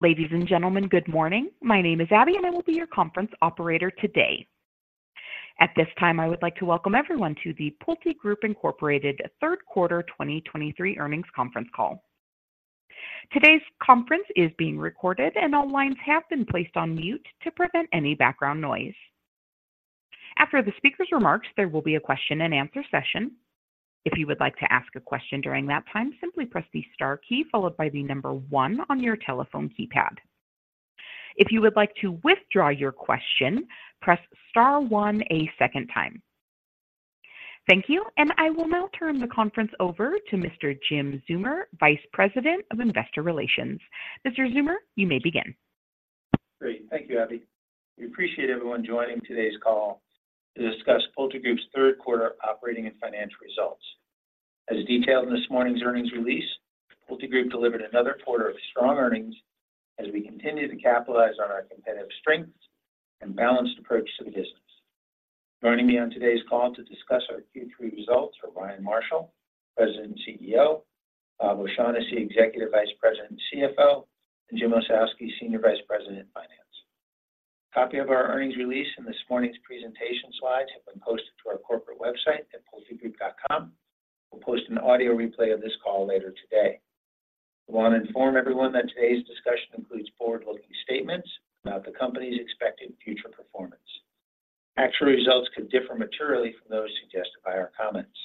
Ladies and gentlemen, good morning. My name is Abby, and I will be your conference operator today. At this time, I would like to welcome everyone to the PulteGroup Incorporated third quarter 2023 earnings conference call. Today's conference is being recorded, and all lines have been placed on mute to prevent any background noise. After the speaker's remarks, there will be a question-and-answer session. If you would like to ask a question during that time, simply press the star key followed by the number one on your telephone keypad. If you would like to withdraw your question, press star one a second time. Thank you, and I will now turn the conference over to Mr. Jim Zeumer, Vice President of Investor Relations. Mr. Zeumer, you may begin. Great. Thank you, Abby. We appreciate everyone joining today's call to discuss PulteGroup's third quarter operating and financial results. As detailed in this morning's earnings release, PulteGroup delivered another quarter of strong earnings as we continue to capitalize on our competitive strengths and balanced approach to the business. Joining me on today's call to discuss our Q3 results are Ryan Marshall, President and CEO, Bob O'Shaughnessy, Executive Vice President and CFO, and Jim Ossowski, Senior Vice President, Finance. A copy of our earnings release and this morning's presentation slides have been posted to our corporate website at pultegroup.com. We'll post an audio replay of this call later today. I want to inform everyone that today's discussion includes forward-looking statements about the company's expected future performance. Actual results could differ materially from those suggested by our comments.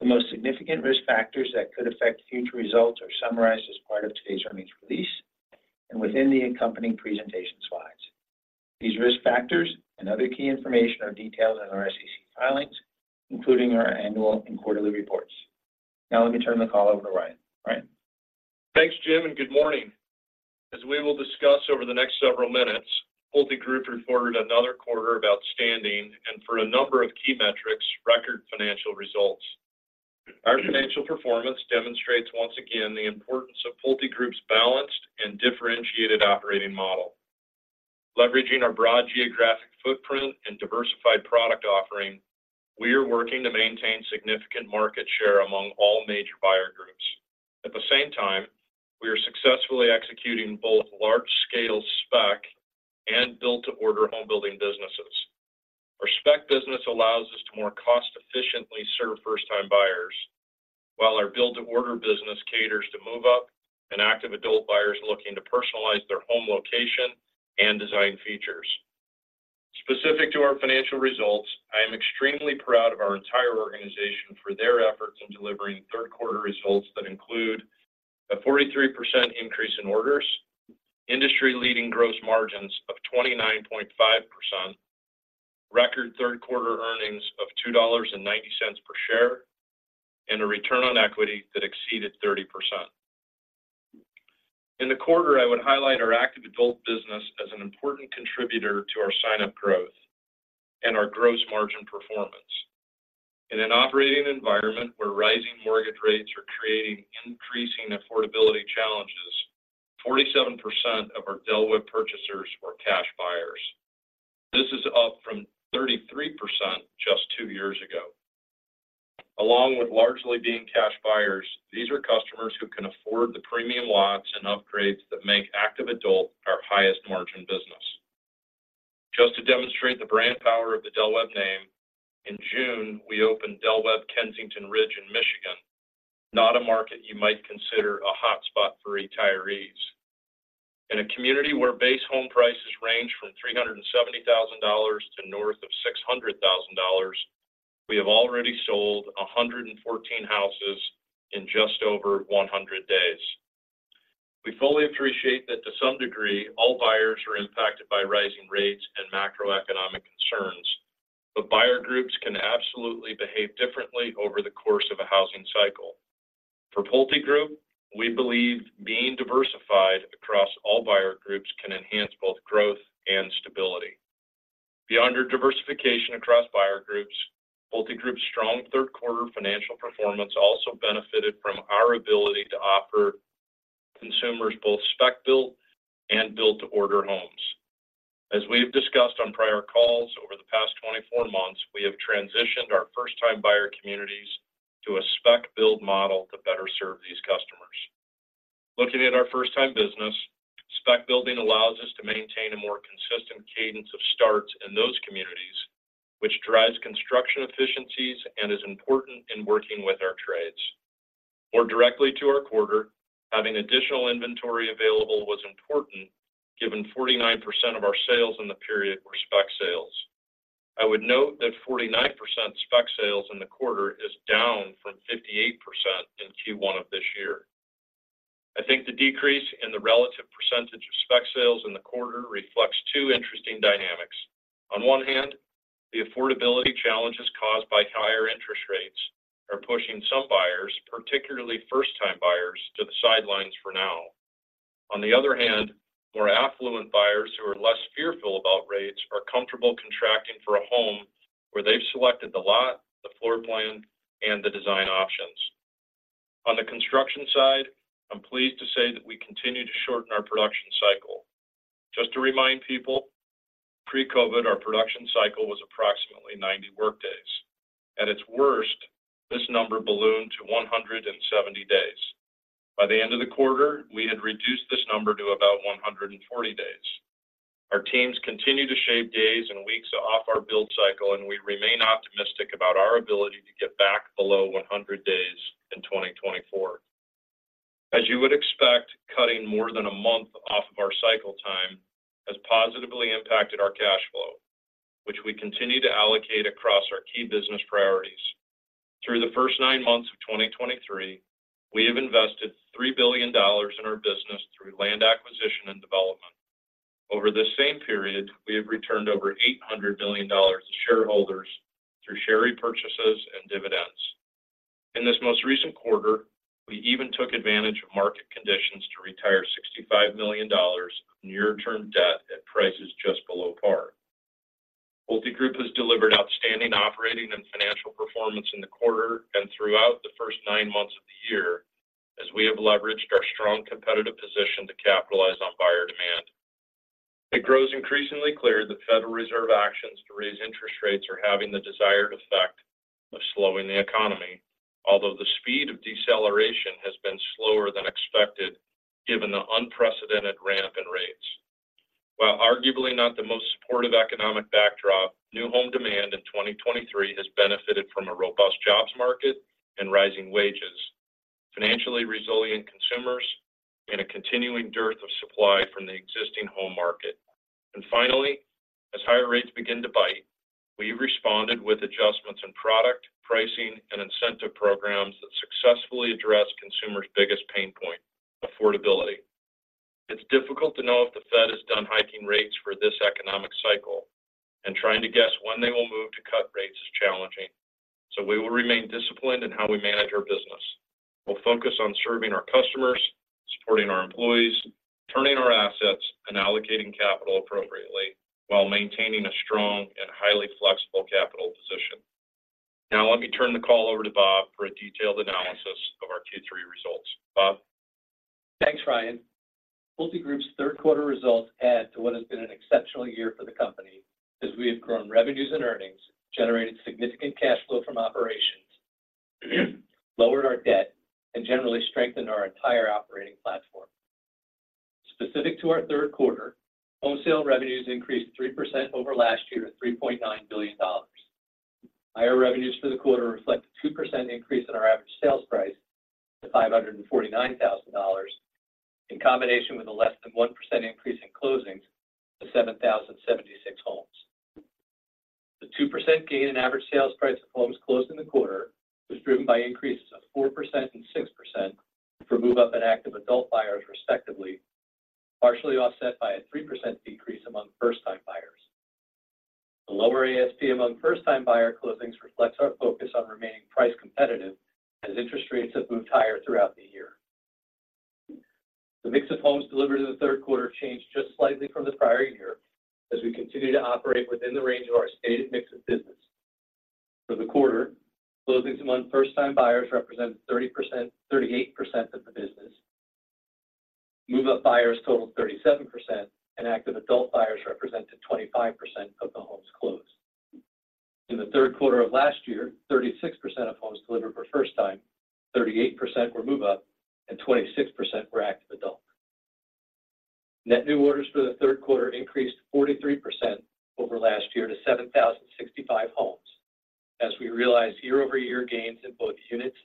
The most significant risk factors that could affect future results are summarized as part of today's earnings release and within the accompanying presentation slides. These risk factors and other key information are detailed in our SEC filings, including our annual and quarterly reports. Now, let me turn the call over to Ryan. Ryan? Thanks, Jim, and good morning. As we will discuss over the next several minutes, PulteGroup reported another quarter of outstanding and, for a number of key metrics, record financial results. Our financial performance demonstrates once again the importance of PulteGroup's balanced and differentiated operating model. Leveraging our broad geographic footprint and diversified product offering, we are working to maintain significant market share among all major buyer groups. At the same time, we are successfully executing both large-scale spec and build-to-order home building businesses. Our spec business allows us to more cost-efficiently serve first-time buyers, while our build-to-order business caters to move-up and active adult buyers looking to personalize their home location and design features. Specific to our financial results, I am extremely proud of our entire organization for their efforts in delivering third-quarter results that include a 43% increase in orders, industry-leading gross margins of 29.5%, record third-quarter earnings of $2.90 per share, and a return on equity that exceeded 30%. In the quarter, I would highlight our active adult business as an important contributor to our sign-up growth and our gross margin performance. In an operating environment where rising mortgage rates are creating increasing affordability challenges, 47% of our Del Webb purchasers were cash buyers. This is up from 33% just two years ago. Along with largely being cash buyers, these are customers who can afford the premium lots and upgrades that make active adult our highest-margin business. Just to demonstrate the brand power of the Del Webb name, in June, we opened Del Webb Kensington Ridge in Michigan, not a market you might consider a hotspot for retirees. In a community where base home prices range from $370,000 to north of $600,000, we have already sold 114 houses in just over 100 days. We fully appreciate that to some degree, all buyers are impacted by rising rates and macroeconomic concerns, but buyer groups can absolutely behave differently over the course of a housing cycle. For PulteGroup, we believe being diversified across all buyer groups can enhance both growth and stability. Beyond our diversification across buyer groups, PulteGroup's strong third-quarter financial performance also benefited from our ability to offer consumers both spec build and build-to-order homes. As we've discussed on prior calls over the past 24 months, we have transitioned our first-time buyer communities to a spec build model to better serve these customers. Looking at our first-time business, spec building allows us to maintain a more consistent cadence of starts in those communities, which drives construction efficiencies and is important in working with our trades. More directly to our quarter, having additional inventory available was important, given 49% of our sales in the period were spec sales. I would note that 49% spec sales in the quarter is down from 58% in Q1 of this year. I think the decrease in the relative percentage of spec sales in the quarter reflects two interesting dynamics. On one hand, the affordability challenges caused by higher interest rates are pushing some buyers, particularly first-time buyers, to the sidelines for now. On the other hand, more affluent buyers who are less fearful about rates are comfortable contracting for a home where they've selected the lot, the floor plan, and the design options. On the construction side, I'm pleased to say that we continue to shorten our production cycle. Just to remind people, pre-COVID, our production cycle was approximately 90 work days. At its worst, this number ballooned to 170 days. By the end of the quarter, we had reduced this number to about 140 days. Our teams continue to shave days and weeks off our build cycle, and we remain optimistic about our ability to get back below 100 days in 2024. As you would expect, cutting more than a month off of our cycle time has positively impacted our cash flow, which we continue to allocate across our key business priorities. Through the first 9 months of 2023, we have invested $3 billion in our business through land acquisition and development. Over this same period, we have returned over $800 million to shareholders through share repurchases and dividends. In this most recent quarter, we even took advantage of market conditions to retire $65 million of near-term debt at prices just below par. PulteGroup has delivered outstanding operating and financial performance in the quarter and throughout the first 9 months of the year, as we have leveraged our strong competitive position to capitalize on buyer demand. It grows increasingly clear that Federal Reserve actions to raise interest rates are having the desired effect of slowing the economy, although the speed of deceleration has been slower than expected, given the unprecedented ramp in rates. While arguably not the most supportive economic backdrop, new home demand in 2023 has benefited from a robust jobs market and rising wages, financially resilient consumers, and a continuing dearth of supply from the existing home market. And finally, as higher rates begin to bite, we responded with adjustments in product, pricing, and incentive programs that successfully address consumers' biggest pain point: affordability. It's difficult to know if the Fed is done hiking rates for this economic cycle, and trying to guess when they will move to cut rates is challenging, so we will remain disciplined in how we manage our business. We'll focus on serving our customers, supporting our employees, turning our assets, and allocating capital appropriately while maintaining a strong and highly flexible capital position. Now, let me turn the call over to Bob for a detailed analysis of our Q3 results. Bob? Thanks, Ryan. PulteGroup's third quarter results add to what has been an exceptional year for the company, as we have grown revenues and earnings, generated significant cash flow from operations, lowered our debt, and generally strengthened our entire operating platform. Specific to our third quarter, home sale revenues increased 3% over last year to $3.9 billion. Higher revenues for the quarter reflect a 2% increase in our average sales price to $549,000, in combination with a less than 1% increase in closings to 7,076 homes. The 2% gain in average sales price of homes closed in the quarter was driven by increases of 4% and 6% for move-up and active adult buyers, respectively, partially offset by a 3% decrease among first-time buyers. The lower ASP among first-time buyer closings reflects our focus on remaining price competitive as interest rates have moved higher throughout the year. The mix of homes delivered in the third quarter changed just slightly from the prior year as we continue to operate within the range of our stated mix of business. For the quarter, closings among first-time buyers represented 30%—38% of the business. Move-up buyers totaled 37%, and active adult buyers represented 25% of the homes closed. In the third quarter of last year, 36% of homes delivered for first-time, 38% were move-up, and 26% were active adult. Net new orders for the third quarter increased 43% over last year to 7,065 homes, as we realized year-over-year gains in both units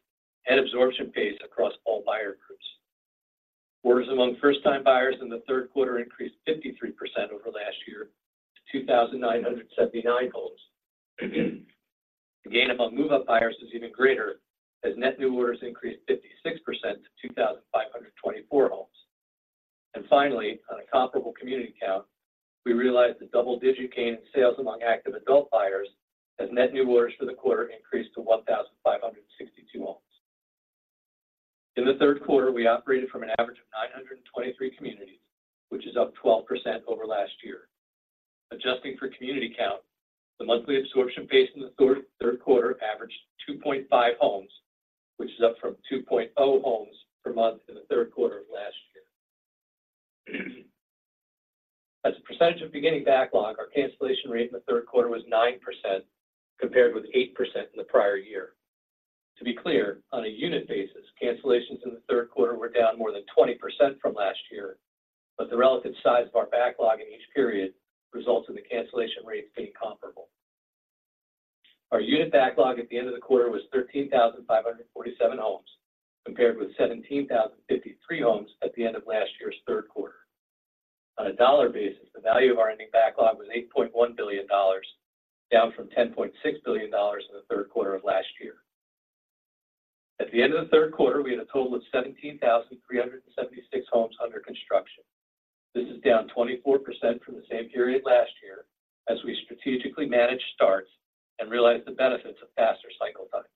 and absorption pace across all buyer groups. Orders among first-time buyers in the third quarter increased 53% over last year to 2,979 homes. The gain among move-up buyers is even greater, as net new orders increased 56% to 2,524 homes. And finally, on a comparable community count, we realized a double-digit gain in sales among active adult buyers as net new orders for the quarter increased to 1,562 homes. In the third quarter, we operated from an average of 923 communities, which is up 12% over last year. Adjusting for community count, the monthly absorption pace in the third quarter averaged 2.5 homes, which is up from 2.0 homes per month in the third quarter of last year. As a percentage of beginning backlog, our cancellation rate in the third quarter was 9%, compared with 8% in the prior year. To be clear, on a unit basis, cancellations in the third quarter were down more than 20% from last year, but the relative size of our backlog in each period results in the cancellation rates being comparable. Our unit backlog at the end of the quarter was 13,547 homes, compared with 17,053 homes at the end of last year's third quarter. On a dollar basis, the value of our ending backlog was $8.1 billion, down from $10.6 billion in the third quarter of last year. At the end of the third quarter, we had a total of 17,376 homes under construction. This is down 24% from the same period last year, as we strategically managed starts and realized the benefits of faster cycle times.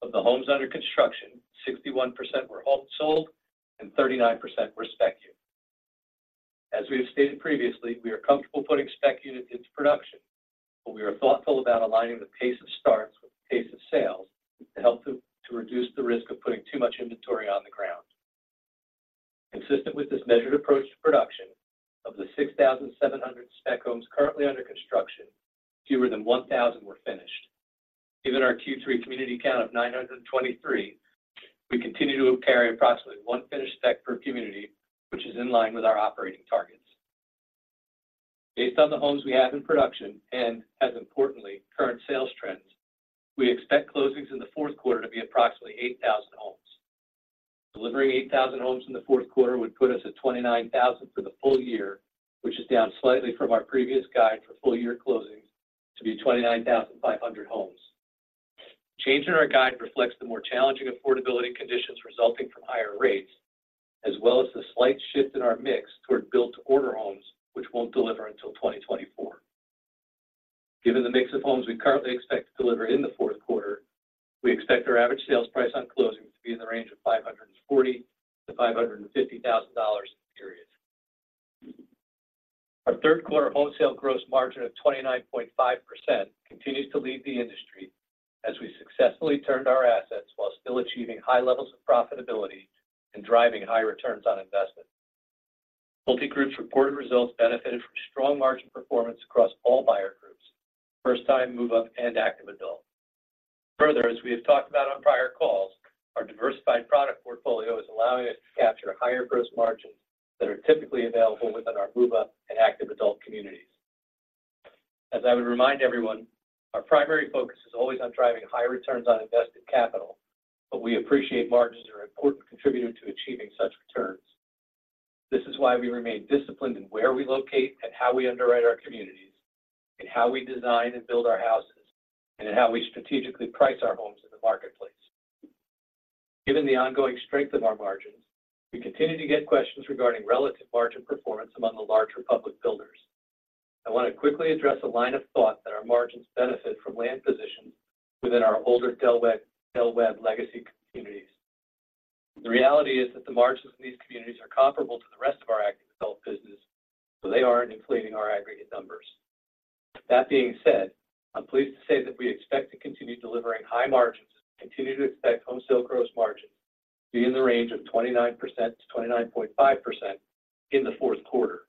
Of the homes under construction, 61% were all sold and 39% were spec units. As we have stated previously, we are comfortable putting spec units into production, but we are thoughtful about aligning the pace of starts with the pace of sales to help reduce the risk of putting too much inventory on the ground.... Consistent with this measured approach to production, of the 6,700 spec homes currently under construction, fewer than 1,000 were finished. Given our Q3 community count of 923, we continue to carry approximately one finished spec per community, which is in line with our operating targets. Based on the homes we have in production and as importantly, current sales trends, we expect closings in the fourth quarter to be approximately 8,000 homes. Delivering 8,000 homes in the fourth quarter would put us at 29,000 for the full year, which is down slightly from our previous guide for full-year closings to be 29,500 homes. Change in our guide reflects the more challenging affordability conditions resulting from higher rates, as well as the slight shift in our mix toward build-to-order homes, which won't deliver until 2024. Given the mix of homes we currently expect to deliver in the fourth quarter, we expect our average sales price on closings to be in the range of $540,000-$550,000 in the period. Our third quarter home sale gross margin of 29.5% continues to lead the industry as we successfully turned our assets while still achieving high levels of profitability and driving high returns on investment. PulteGroup's reported results benefited from strong margin performance across all buyer groups: first-time, move-up, and active adult. Further, as we have talked about on prior calls, our diversified product portfolio is allowing us to capture higher gross margins that are typically available within our move-up and active adult communities. As I would remind everyone, our primary focus is always on driving higher returns on invested capital, but we appreciate margins are an important contributor to achieving such returns. This is why we remain disciplined in where we locate and how we underwrite our communities, in how we design and build our houses, and in how we strategically price our homes in the marketplace. Given the ongoing strength of our margins, we continue to get questions regarding relative margin performance among the larger public builders. I want to quickly address a line of thought that our margins benefit from land positions within our older Del Webb legacy communities. The reality is that the margins in these communities are comparable to the rest of our active adult business, so they aren't inflating our aggregate numbers. That being said, I'm pleased to say that we expect to continue delivering high margins and continue to expect home sale gross margins to be in the range of 29%-29.5% in the fourth quarter.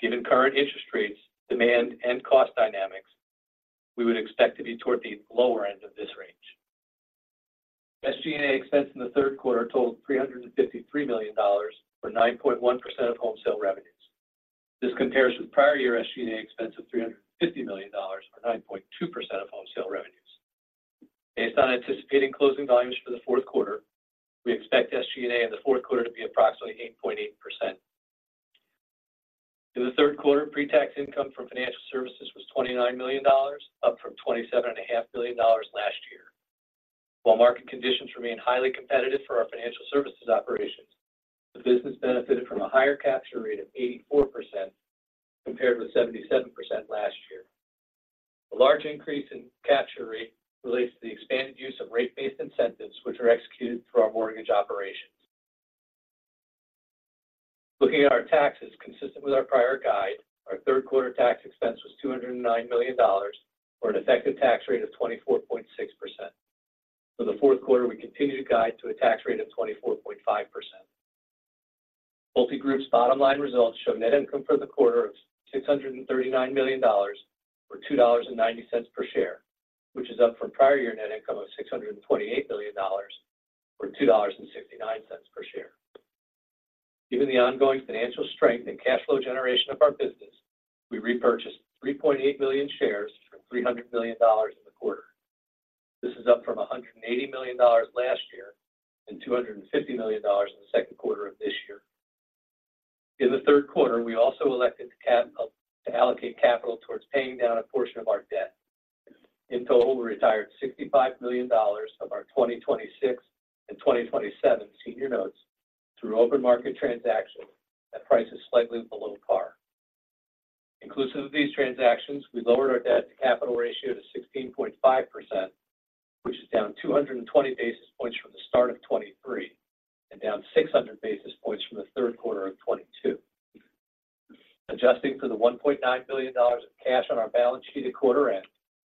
Given current interest rates, demand, and cost dynamics, we would expect to be toward the lower end of this range. SG&A expense in the third quarter totaled $353 million, or 9.1% of home sale revenues. This compares with prior year SG&A expense of $350 million, or 9.2% of home sale revenues. Based on anticipating closing volumes for the fourth quarter, we expect SG&A in the fourth quarter to be approximately 8.8%. In the third quarter, pre-tax income from financial services was $29 million, up from $27.5 million last year. While market conditions remain highly competitive for our financial services operations, the business benefited from a higher capture rate of 84%, compared with 77% last year. The large increase in capture rate relates to the expanded use of rate-based incentives, which are executed through our mortgage operations. Looking at our taxes, consistent with our prior guide, our third quarter tax expense was $209 million, or an effective tax rate of 24.6%. For the fourth quarter, we continue to guide to a tax rate of 24.5%. PulteGroup's bottom line results show net income for the quarter of $639 million, or $2.90 per share, which is up from prior year net income of $628 million, or $2.69 per share. Given the ongoing financial strength and cash flow generation of our business, we repurchased 3.8 million shares for $300 million in the quarter. This is up from $180 million last year and $250 million in the second quarter of this year. In the third quarter, we also elected to cap to allocate capital towards paying down a portion of our debt. In total, we retired $65 million of our 2026 and 2027 senior notes through open market transactions at prices slightly below par. Inclusive of these transactions, we lowered our debt-to-capital ratio to 16.5%, which is down 220 basis points from the start of 2023, and down 600 basis points from the third quarter of 2022. Adjusting for the $1.9 billion of cash on our balance sheet at quarter end,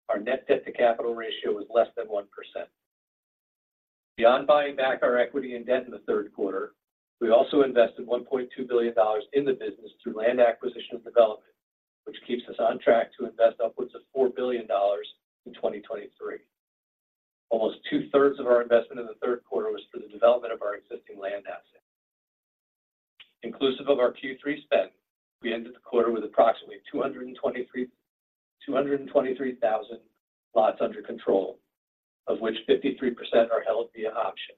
our net debt-to-capital ratio is less than 1%. Beyond buying back our equity and debt in the third quarter, we also invested $1.2 billion in the business through land acquisition and development, which keeps us on track to invest upwards of $4 billion in 2023. Almost two-thirds of our investment in the third quarter was for the development of our existing land assets. Inclusive of our Q3 spend, we ended the quarter with approximately 223,000 lots under control, of which 53% are held via option.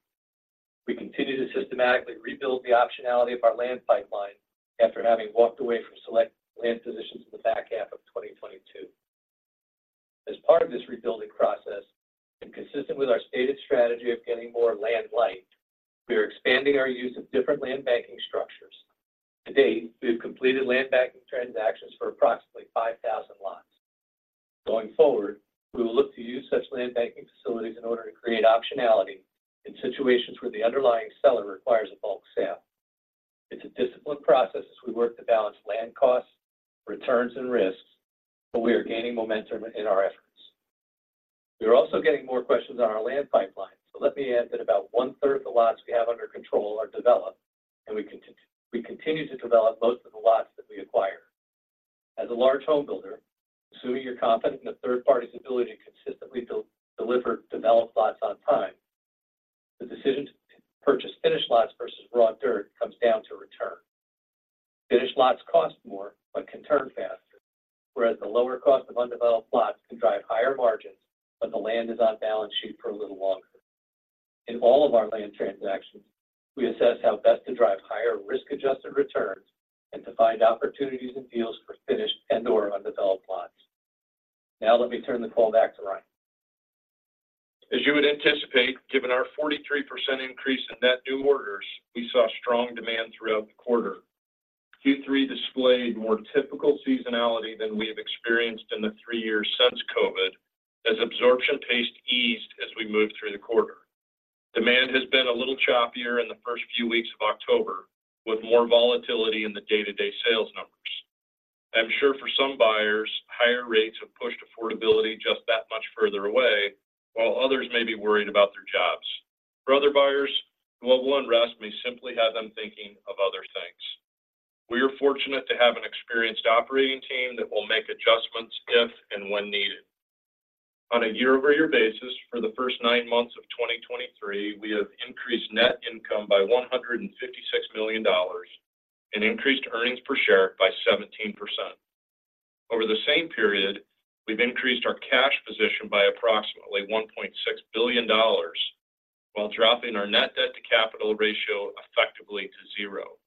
We continue to systematically rebuild the optionality of our land pipeline after having walked away from select land positions in the back half of 2022. As part of this rebuilding process, and consistent with our stated strategy of getting more land-light, we are expanding our use of different land banking structures. To date, we have completed land banking transactions for approximately 5,000 lots. Going forward, we will look to use such land banking facilities in order to create optionality in situations where the underlying seller requires a bulk sale. It's a disciplined process as we work to balance land costs, returns, and risks, but we are gaining momentum in our efforts.... We are also getting more questions on our land pipeline, so let me add that about one-third of the lots we have under control are developed, and we continue to develop most of the lots that we acquire. As a large home builder, assuming you're confident in a third party's ability to consistently build, deliver, develop lots on time, the decision to purchase finished lots versus raw dirt comes down to return. Finished lots cost more, but can turn faster, whereas the lower cost of undeveloped lots can drive higher margins, but the land is on balance sheet for a little longer. In all of our land transactions, we assess how best to drive higher risk-adjusted returns and to find opportunities and deals for finished and/or undeveloped lots. Now, let me turn the call back to Ryan. As you would anticipate, given our 43% increase in net new orders, we saw strong demand throughout the quarter. Q3 displayed more typical seasonality than we have experienced in the three years since COVID, as absorption pace eased as we moved through the quarter. Demand has been a little choppier in the first few weeks of October, with more volatility in the day-to-day sales numbers. I'm sure for some buyers, higher rates have pushed affordability just that much further away, while others may be worried about their jobs. For other buyers, global unrest may simply have them thinking of other things. We are fortunate to have an experienced operating team that will make adjustments if and when needed. On a year-over-year basis, for the first nine months of 2023, we have increased net income by $156 million and increased earnings per share by 17%. Over the same period, we've increased our cash position by approximately $1.6 billion, while dropping our net debt-to-capital ratio effectively to zero.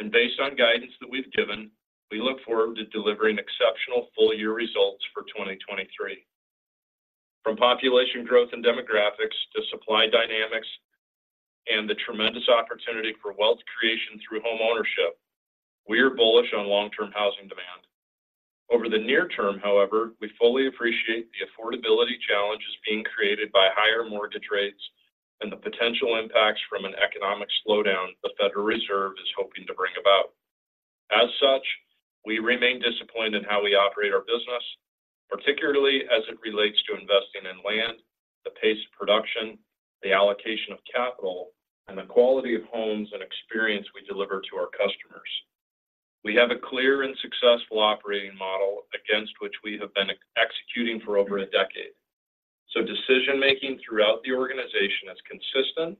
Based on guidance that we've given, we look forward to delivering exceptional full-year results for 2023. From population growth and demographics to supply dynamics and the tremendous opportunity for wealth creation through homeownership, we are bullish on long-term housing demand. Over the near-term, however, we fully appreciate the affordability challenges being created by higher mortgage rates and the potential impacts from an economic slowdown the Federal Reserve is hoping to bring about. As such, we remain disciplined in how we operate our business, particularly as it relates to investing in land, the pace of production, the allocation of capital, and the quality of homes and experience we deliver to our customers. We have a clear and successful operating model against which we have been executing for over a decade, so decision-making throughout the organization is consistent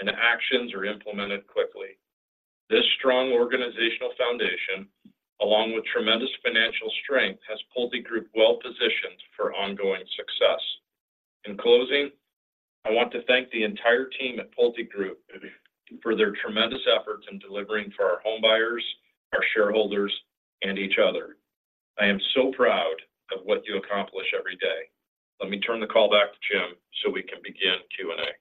and actions are implemented quickly. This strong organizational foundation, along with tremendous financial strength, has PulteGroup well-positioned for ongoing success. In closing, I want to thank the entire team at PulteGroup for their tremendous efforts in delivering for our homebuyers, our shareholders, and each other. I am so proud of what you accomplish every day. Let me turn the call back to Jim so we can begin Q&A.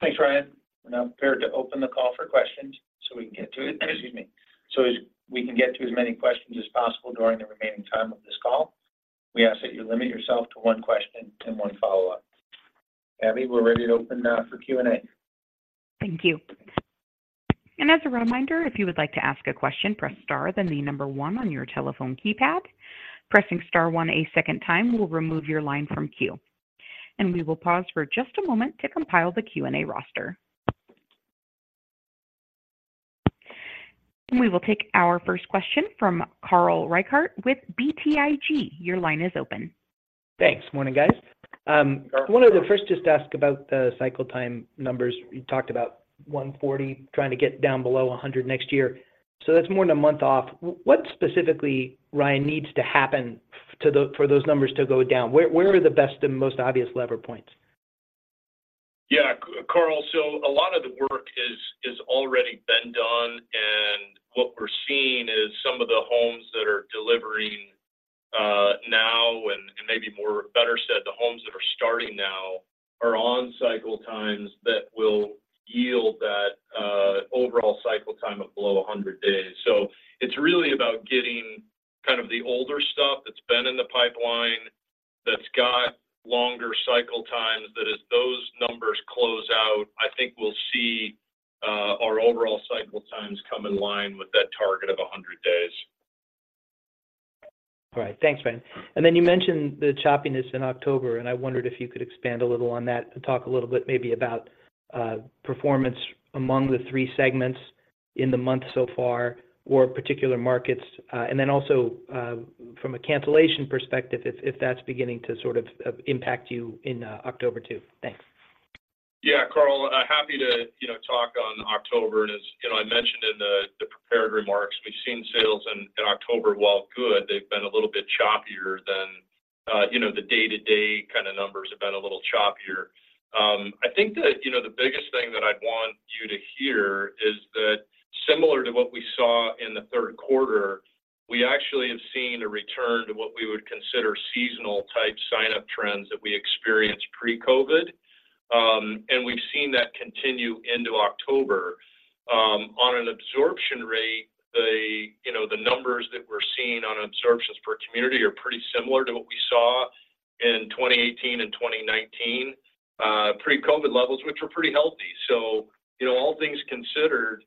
Thanks, Ryan. We're now prepared to open the call for questions so we can get to it. Excuse me. So as we can get to as many questions as possible during the remaining time of this call, we ask that you limit yourself to one question and one follow-up. Abby, we're ready to open for Q&A. Thank you. As a reminder, if you would like to ask a question, press star, then the number one on your telephone keypad. Pressing star one a second time will remove your line from queue. We will pause for just a moment to compile the Q&A roster. We will take our first question from Carl Reichardt with BTIG. Your line is open. Thanks. Morning, guys. I wanted to first just ask about the cycle time numbers. You talked about 140, trying to get down below 100 next year. So that's more than a month off. What specifically, Ryan, needs to happen for those numbers to go down? Where are the best and most obvious lever points? Yeah, Carl, so a lot of the work is already been done, and what we're seeing is some of the homes that are delivering now, and maybe more better said, the homes that are starting now, are on cycle times that will yield that overall cycle time of below 100 days. So it's really about getting kind of the older stuff that's been in the pipeline, that's got longer cycle times, that as those numbers close out, I think we'll see our overall cycle times come in line with that target of 100 days. All right. Thanks, Ryan. And then you mentioned the choppiness in October, and I wondered if you could expand a little on that and talk a little bit maybe about performance among the three segments in the month so far or particular markets. And then also, from a cancellation perspective, if that's beginning to sort of impact you in October, too. Thanks. Yeah, Carl, happy to, you know, talk on October. And as, you know, I mentioned in the prepared remarks, we've seen sales in October, while good, they've been a little bit choppier than, you know, the day-to-day kind of numbers have been a little choppier. I think that, you know, the biggest thing that I'd want you to hear is that similar to what we saw in the third quarter, we actually have seen a return to what we would consider seasonal-type sign-up trends that we experienced pre-COVID. And we've seen that continue into October. On an absorption rate, you know, the numbers that we're seeing on absorptions per community are pretty similar to what we saw in 2018 and 2019, pre-COVID levels, which were pretty healthy. So, you know, all things considered-...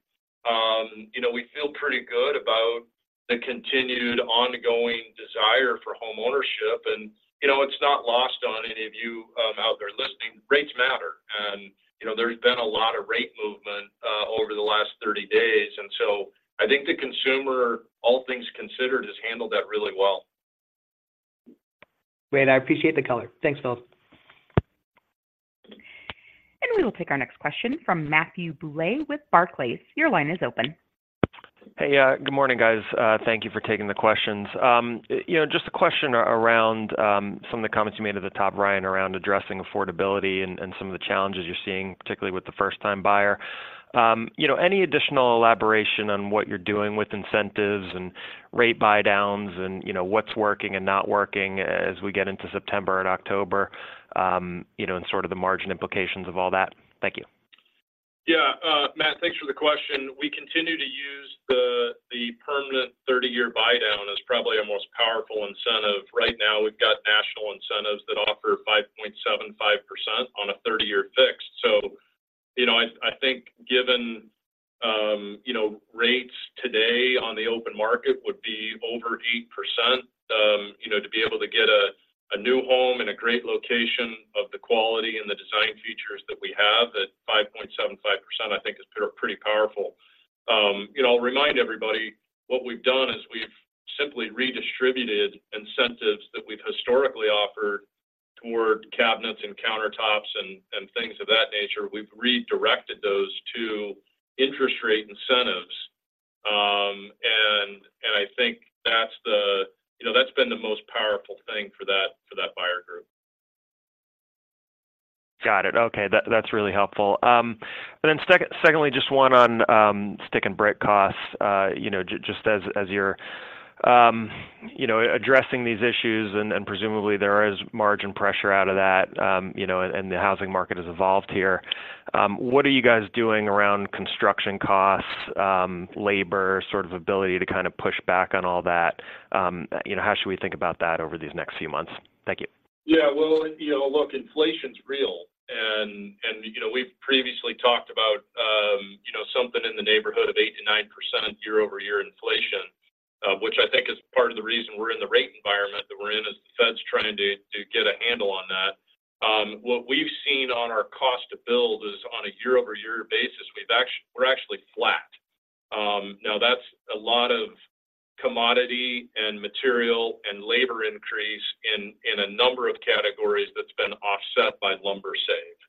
you know, we feel pretty good about the continued ongoing desire for homeownership. you know, it's not lost on any of you, out there listening, rates matter. you know, there's been a lot of rate movement, over the last 30 days, and so I think the consumer, all things considered, has handled that really well. Great. I appreciate the color. Thanks, Fellas. We will take our next question from Matthew Bouley with Barclays. Your line is open. Hey, good morning, guys. Thank you for taking the questions. You know, just a question around some of the comments you made at the top, Ryan, around addressing affordability and some of the challenges you're seeing, particularly with the first-time buyer. You know, any additional elaboration on what you're doing with incentives and rate buydowns and, you know, what's working and not working as we get into September and October, you know, and sort of the margin implications of all that? Thank you. Yeah, Matt, thanks for the question. We continue to use the permanent 30-year buydown as probably our most powerful incentive. Right now, we've got national incentives that offer 5.75% on a 30-year fixed. So, you know, I think given, you know, rates today on the open market would be over 8%. You know, to be able to get a new home in a great location of the quality and the design features that we have at 5.75%, I think is pretty powerful. You know, I'll remind everybody, what we've done is we've simply redistributed incentives that we've historically offered toward cabinets and countertops and things of that nature. We've redirected those to interest rate incentives. And I think that's the... You know, that's been the most powerful thing for that, for that buyer group. Got it. Okay, that's really helpful. But then secondly, just one on stick and brick costs. You know, just as you're addressing these issues, and presumably there is margin pressure out of that, you know, and the housing market has evolved here. What are you guys doing around construction costs, labor, sort of ability to kind of push back on all that? You know, how should we think about that over these next few months? Thank you. Yeah, well, you know, look, inflation's real and, you know, we've previously talked about, you know, something in the neighborhood of 8%-9% year-over-year inflation, which I think is part of the reason we're in the rate environment that we're in, as the Fed's trying to get a handle on that. What we've seen on our cost to build is, on a year-over-year basis, we're actually flat. Now, that's a lot of commodity and material and labor increase in a number of categories that's been offset by lumber save.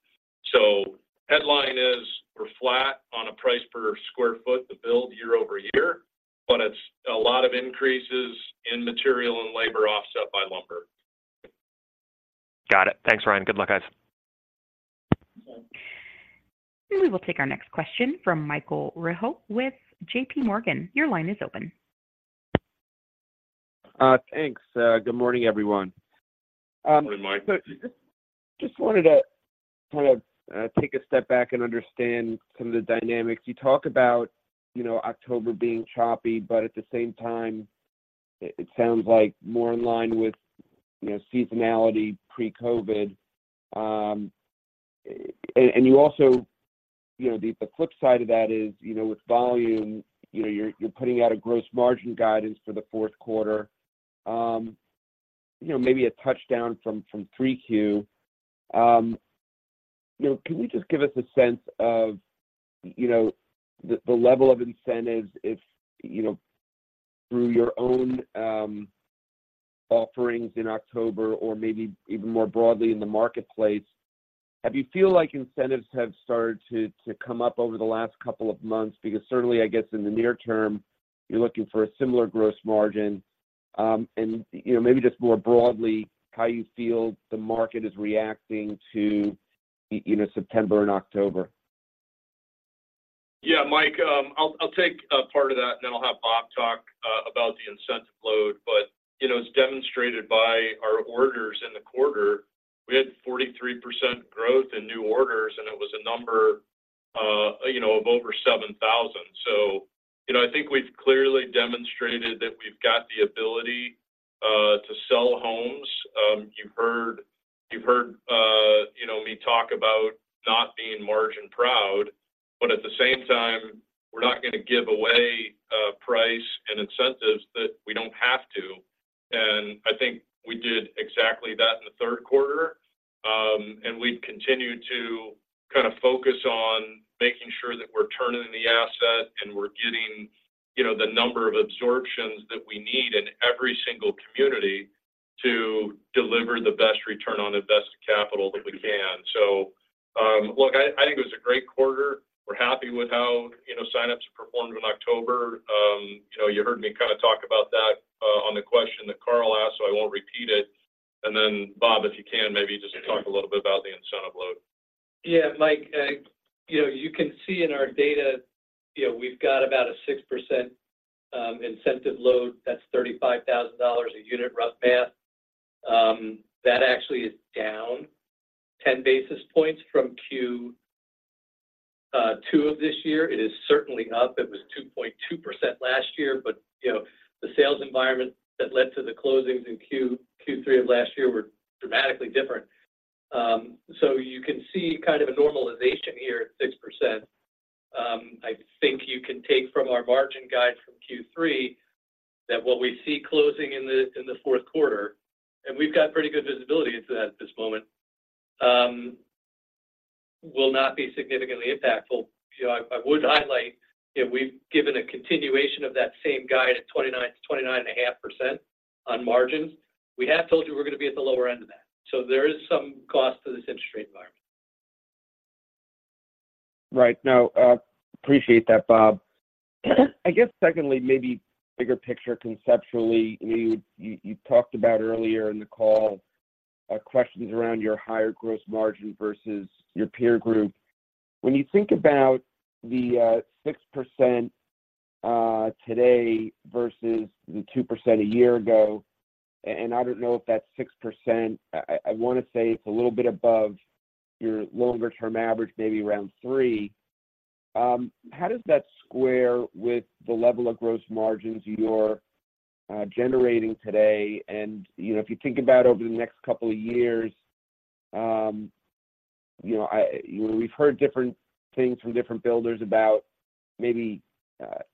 So headline is, we're flat on a price per square foot to build year-over-year, but it's a lot of increases in material and labor offset by lumber. Got it. Thanks, Ryan. Good luck, guys. We will take our next question from Michael Rehaut with J.P. Morgan. Your line is open. Thanks. Good morning, everyone. Good morning, Mike. Just wanted to kind of take a step back and understand some of the dynamics. You talk about, you know, October being choppy, but at the same time, it sounds like more in line with, you know, seasonality pre-COVID. And you also... you know, the, the flip side of that is, you know, with volume, you know, you're, you're putting out a gross margin guidance for the fourth quarter, you know, maybe a touchdown from, from three Q. You know, can you just give us a sense of, you know, the, the level of incentives if, you know, through your own offerings in October or maybe even more broadly in the marketplace, have you feel like incentives have started to, to come up over the last couple of months? Because certainly, I guess in the near term, you're looking for a similar gross margin. You know, maybe just more broadly, how you feel the market is reacting to, you know, September and October. Yeah, Mike, I'll take part of that, and then I'll have Bob talk about the incentive load. But, you know, it's demonstrated by our orders in the quarter. We had 43% growth in new orders, and it was a number, you know, of over 7,000. So, you know, I think we've clearly demonstrated that we've got the ability to sell homes. You've heard, you know me talk about not being margin-proud, but at the same time, we're not going to give away price and incentives that we don't have to. And I think we did exactly that in the third quarter. And we've continued to kind of focus on making sure that we're turning the asset, and we're getting, you know, the number of absorptions that we need in every single community to deliver the best return on invested capital that we can. So, look, I, I think it was a great quarter. We're happy with how, you know, sign-ups performed in October. You know, you heard me kind of talk about that, on the question that Carl asked, so I won't repeat it. And then, Bob, if you can, maybe just talk a little bit about the incentive load. Yeah, Mike, you know, you can see in our data, you know, we've got about a 6% incentive load. That's $35,000 a unit rough math. That actually is down 10 basis points from Q2 of this year. It is certainly up. It was 2.2% last year, but, you know, the sales environment that led to the closings in Q3 of last year were dramatically different.... So you can see kind of a normalization here at 6%. I think you can take from our margin guide from Q3, that what we see closing in the fourth quarter, and we've got pretty good visibility into that at this moment, will not be significantly impactful. You know, I, I would highlight, if we've given a continuation of that same guide at 29%-29.5% on margins, we have told you we're going to be at the lower end of that. So there is some cost to this interest rate environment. Right. No, appreciate that, Bob. I guess secondly, maybe bigger picture conceptually, you know, you talked about earlier in the call, questions around your higher gross margin versus your peer group. When you think about the 6% today versus the 2% a year ago, and I don't know if that's 6%. I want to say it's a little bit above your longer-term average, maybe around three. How does that square with the level of gross margins you're generating today? And, you know, if you think about over the next couple of years, you know, we've heard different things from different builders about maybe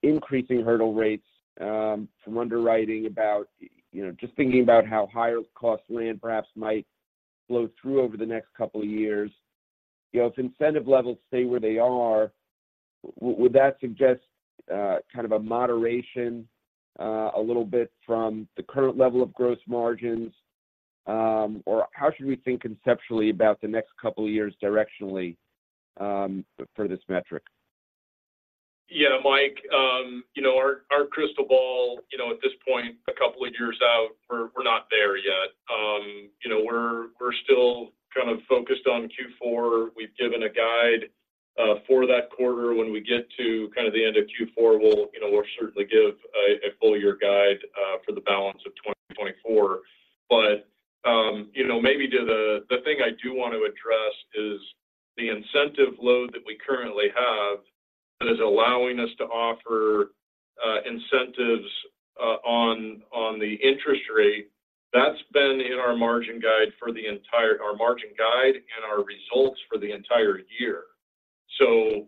increasing hurdle rates from underwriting about, you know, just thinking about how higher cost land perhaps might flow through over the next couple of years. You know, if incentive levels stay where they are, would that suggest kind of a moderation a little bit from the current level of gross margins? Or how should we think conceptually about the next couple of years directionally for this metric? Yeah, Mike, you know, our crystal ball, you know, at this point, a couple of years out, we're not there yet. You know, we're still kind of focused on Q4. We've given a guide for that quarter. When we get to kind of the end of Q4, we'll, you know, we'll certainly give a full year guide for the balance of 2024. But, you know, maybe to the thing I do want to address is the incentive load that we currently have, that is allowing us to offer incentives on the interest rate. That's been in our margin guide for the entire year. Our margin guide and our results for the entire year. So,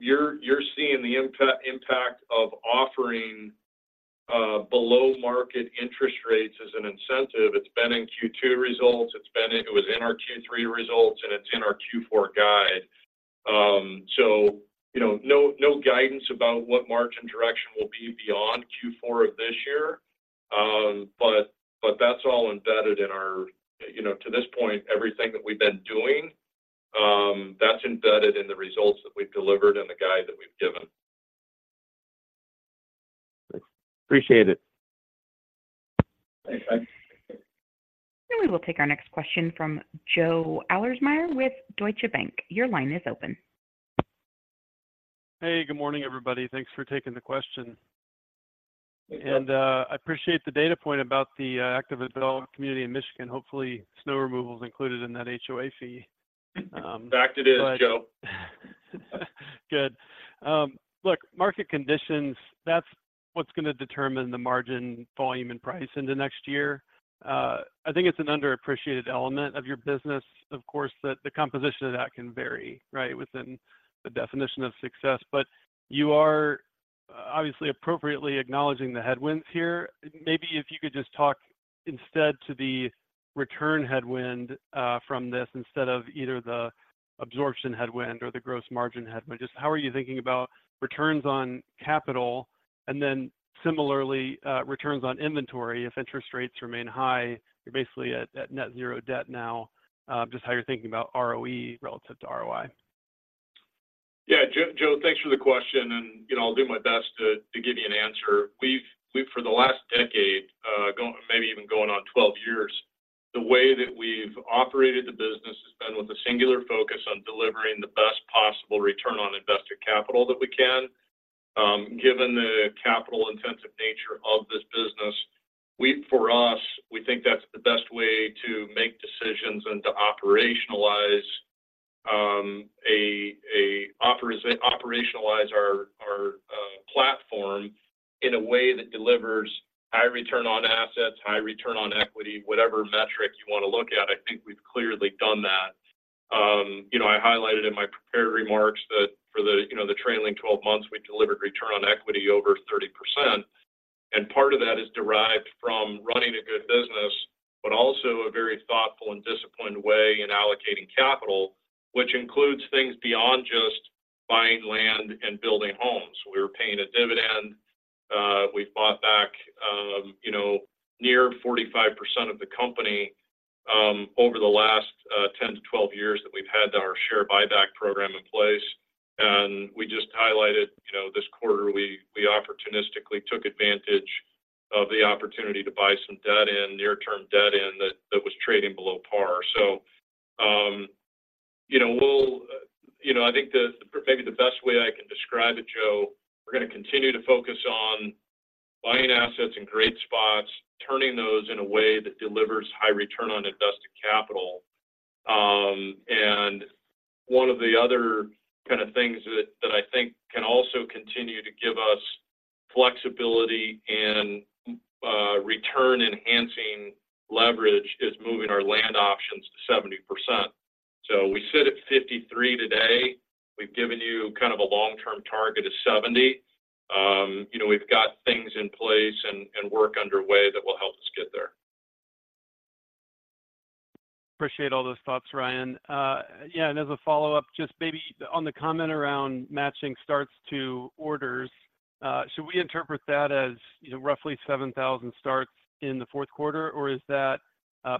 you're seeing the impact of offering below-market interest rates as an incentive. It's been in Q2 results, it's been in, it was in our Q3 results, and it's in our Q4 guide. So, you know, no, no guidance about what margin direction will be beyond Q4 of this year. But, but that's all embedded in our, you know, to this point, everything that we've been doing, that's embedded in the results that we've delivered and the guide that we've given. Appreciate it. Thanks. We will take our next question from Joe Ahlersmeyer with Deutsche Bank. Your line is open. Hey, good morning, everybody. Thanks for taking the question. Hey, Joe. I appreciate the data point about the active adult community in Michigan. Hopefully, snow removal is included in that HOA fee. But- In fact, it is, Joe. Good. Look, market conditions, that's what's going to determine the margin, volume, and price into next year. I think it's an underappreciated element of your business, of course, that the composition of that can vary, right, within the definition of success. But you are obviously appropriately acknowledging the headwinds here. Maybe if you could just talk instead to the return headwind, from this, instead of either the absorption headwind or the gross margin headwind. Just how are you thinking about returns on capital, and then similarly, returns on inventory if interest rates remain high? You're basically at net zero debt now. Just how you're thinking about ROE relative to ROI. Yeah, Joe, thanks for the question, and, you know, I'll do my best to give you an answer. We've for the last decade, maybe even going on 12 years, the way that we've operated the business has been with a singular focus on delivering the best possible return on invested capital that we can. Given the capital-intensive nature of this business, we, for us, we think that's the best way to make decisions and to operationalize our platform in a way that delivers high return on assets, high return on equity, whatever metric you want to look at. I think we've clearly done that. You know, I highlighted in my prepared remarks that for the, you know, the trailing twelve months, we delivered return on equity over 30%, and part of that is derived from running a good business, but also a very thoughtful and disciplined way in allocating capital, which includes things beyond just buying land and building homes. We're paying a dividend. We've bought back, you know, near 45% of the company, over the last 10-12 years that we've had our share buyback program in place. We just highlighted, you know, this quarter, we opportunistically took advantage of the opportunity to buy some near-term debt that was trading below par. So, you know, we'll, you know, I think the, maybe the best way I can describe it, Joe, we're going to continue to focus on buying assets in great spots, turning those in a way that delivers high return on invested capital. And one of the other kind of things that I think can also continue to give us flexibility and return enhancing leverage is moving our land options to 70%. So we sit at 53 today. We've given you kind of a long-term target of 70. You know, we've got things in place and work underway that will help us get there. Appreciate all those thoughts, Ryan. Yeah, and as a follow-up, just maybe on the comment around matching starts to orders, should we interpret that as, you know, roughly 7,000 starts in the fourth quarter? Or is that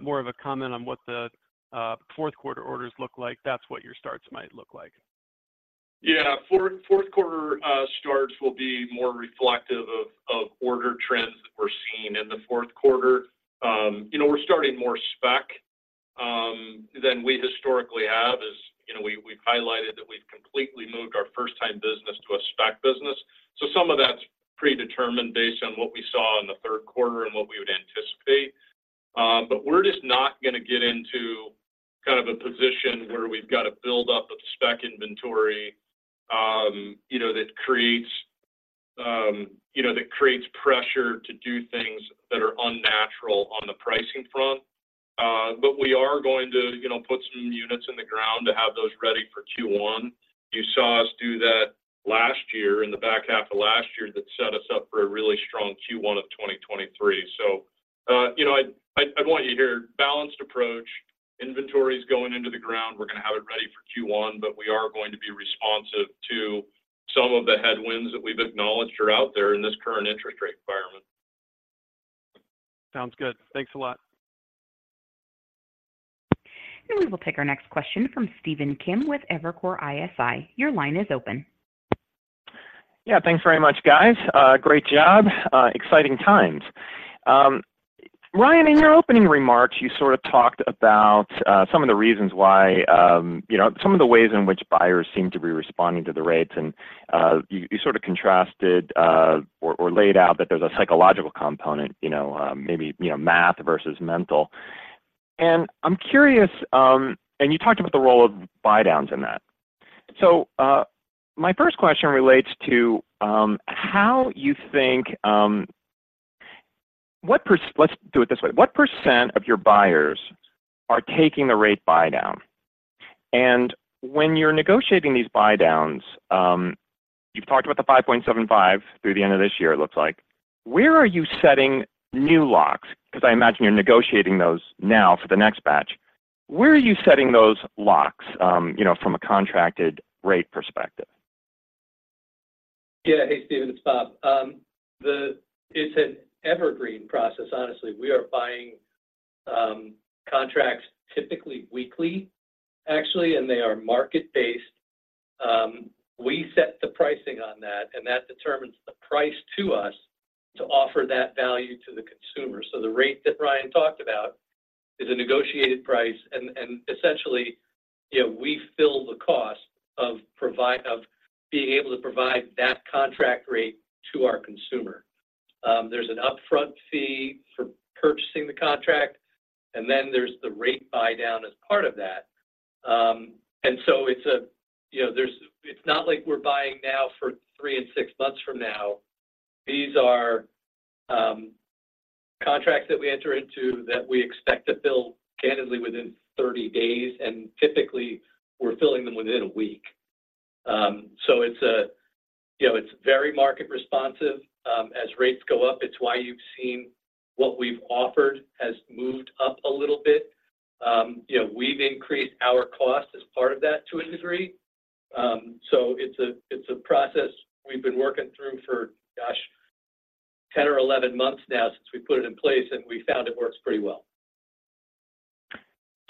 more of a comment on what the fourth quarter orders look like, that's what your starts might look like? Yeah. Fourth, fourth quarter starts will be more reflective of order trends that we're seeing in the fourth quarter. You know, we're starting more spec than we historically have, as you know, we've highlighted that we've completely moved our first-time business to a spec business. So some of that's predetermined based on what we saw in the third quarter and what we would anticipate. But we're just not gonna get into kind of a position where we've got a buildup of spec inventory, you know, that creates you know that creates pressure to do things that are unnatural on the pricing front. But we are going to, you know, put some units in the ground to have those ready for Q1. You saw us do that last year, in the back half of last year, that set us up for a really strong Q1 of 2023. So, you know, I'd want you to hear balanced approach. Inventory is going into the ground. We're gonna have it ready for Q1, but we are going to be responsive to some of the headwinds that we've acknowledged are out there in this current interest rate environment. Sounds good. Thanks a lot. We will take our next question from Stephen Kim with Evercore ISI. Your line is open. Yeah, thanks very much, guys. Great job. Exciting times. Ryan, in your opening remarks, you sort of talked about some of the reasons why, you know, some of the ways in which buyers seem to be responding to the rates. And you sort of contrasted or laid out that there's a psychological component, you know, maybe, you know, math versus mental. And I'm curious. And you talked about the role of buydowns in that. So my first question relates to how you think. Let's do it this way. What % of your buyers are taking the rate buydown? And when you're negotiating these buydowns, you've talked about the 5.75 through the end of this year, it looks like, where are you setting new locks? Because I imagine you're negotiating those now for the next batch. Where are you setting those locks, you know, from a contracted rate perspective? Yeah. Hey, Steven, it's Bob. It's an evergreen process. Honestly, we are buying contracts typically weekly, actually, and they are market-based. We set the pricing on that, and that determines the price to us to offer that value to the consumer. So the rate that Ryan talked about is a negotiated price, and essentially, you know, we fill the cost of being able to provide that contract rate to our consumer. There's an upfront fee for purchasing the contract, and then there's the rate buydown as part of that. And so it's a, you know, it's not like we're buying now for 3 and 6 months from now. These are contracts that we enter into that we expect to fill candidly within 30 days, and typically we're filling them within a week. So it's a, you know, it's very market responsive. As rates go up, it's why you've seen what we've offered has moved up a little bit. You know, we've increased our cost as part of that to a degree. So it's a, it's a process we've been working through for, gosh, 10 or 11 months now since we put it in place, and we found it works pretty well.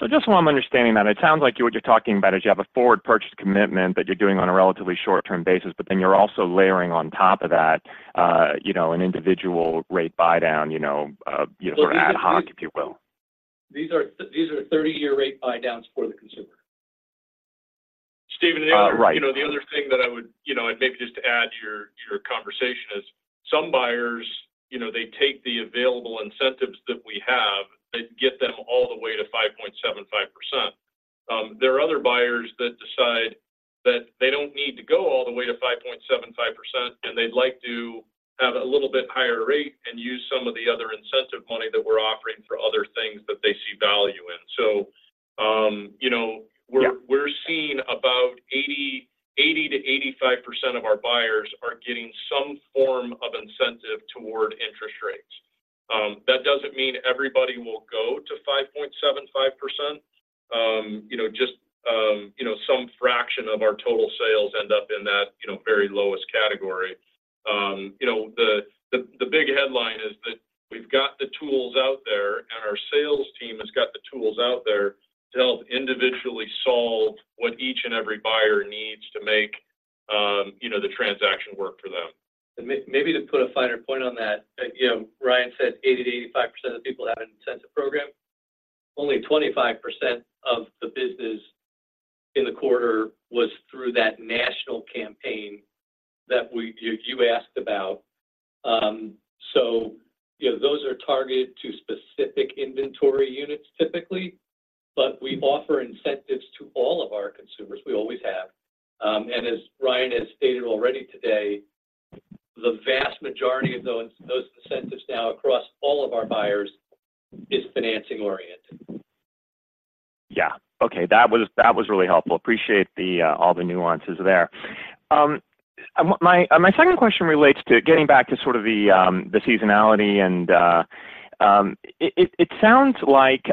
So just so I'm understanding that, it sounds like what you're talking about is you have a forward purchase commitment that you're doing on a relatively short-term basis, but then you're also layering on top of that, you know, an individual rate buydown, you know, ad hoc, if you will. These are 30-year rate buydowns for the consumer. Steven- Uh, right... You know, the other thing that I would, you know, and maybe just to add to your, your conversation is some buyers, you know, they take the available incentives that we have and get them all the way to 5.75%. There are other buyers that decide that they don't need to go all the way to 5.75%, and they'd like to have a little bit higher rate and use some of the other incentive money that we're offering for other things that they see value in. So, you know- Yeah... we're seeing about 80%-85% of our buyers are getting some form of incentive toward interest rates. That doesn't mean everybody will go to 5.75%. You know, just, you know, some fraction of our total sales end up in that, you know, very lowest category. You know, the big headline is that we've got the tools out there, and our sales team has got the tools out there to help individually solve what each and every buyer needs to make, you know, the transaction work for them. Maybe to put a finer point on that, you know, Ryan said 80%-85% of the people have an incentive program. Only 25% of the business-... in the quarter was through that national campaign that we, you, you asked about. So, you know, those are targeted to specific inventory units typically, but we offer incentives to all of our consumers. We always have. And as Ryan has stated already today, the vast majority of those, those incentives now across all of our buyers is financing-oriented. Yeah. Okay, that was, that was really helpful. Appreciate the, all the nuances there. My, my second question relates to getting back to sort of the, the seasonality and... It sounds like,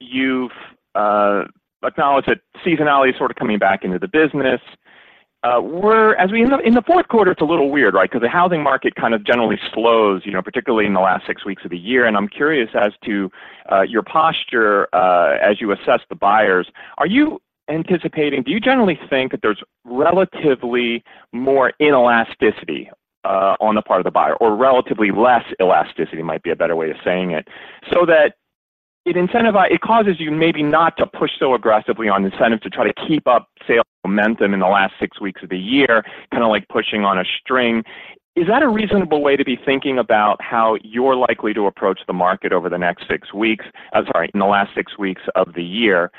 you've acknowledged that seasonality is sort of coming back into the business. We're, as we know, in the fourth quarter, it's a little weird, right? Because the housing market kind of generally slows, you know, particularly in the last six weeks of the year. And I'm curious as to, your posture, as you assess the buyers. Are you anticipating- do you generally think that there's relatively more inelasticity, on the part of the buyer, or relatively less elasticity might be a better way of saying it? So that it incentivizes, it causes you maybe not to push so aggressively on incentive to try to keep up sales momentum in the last six weeks of the year, kind of like pushing on a string. Is that a reasonable way to be thinking about how you're likely to approach the market over the next six weeks, sorry, in the last six weeks of the year?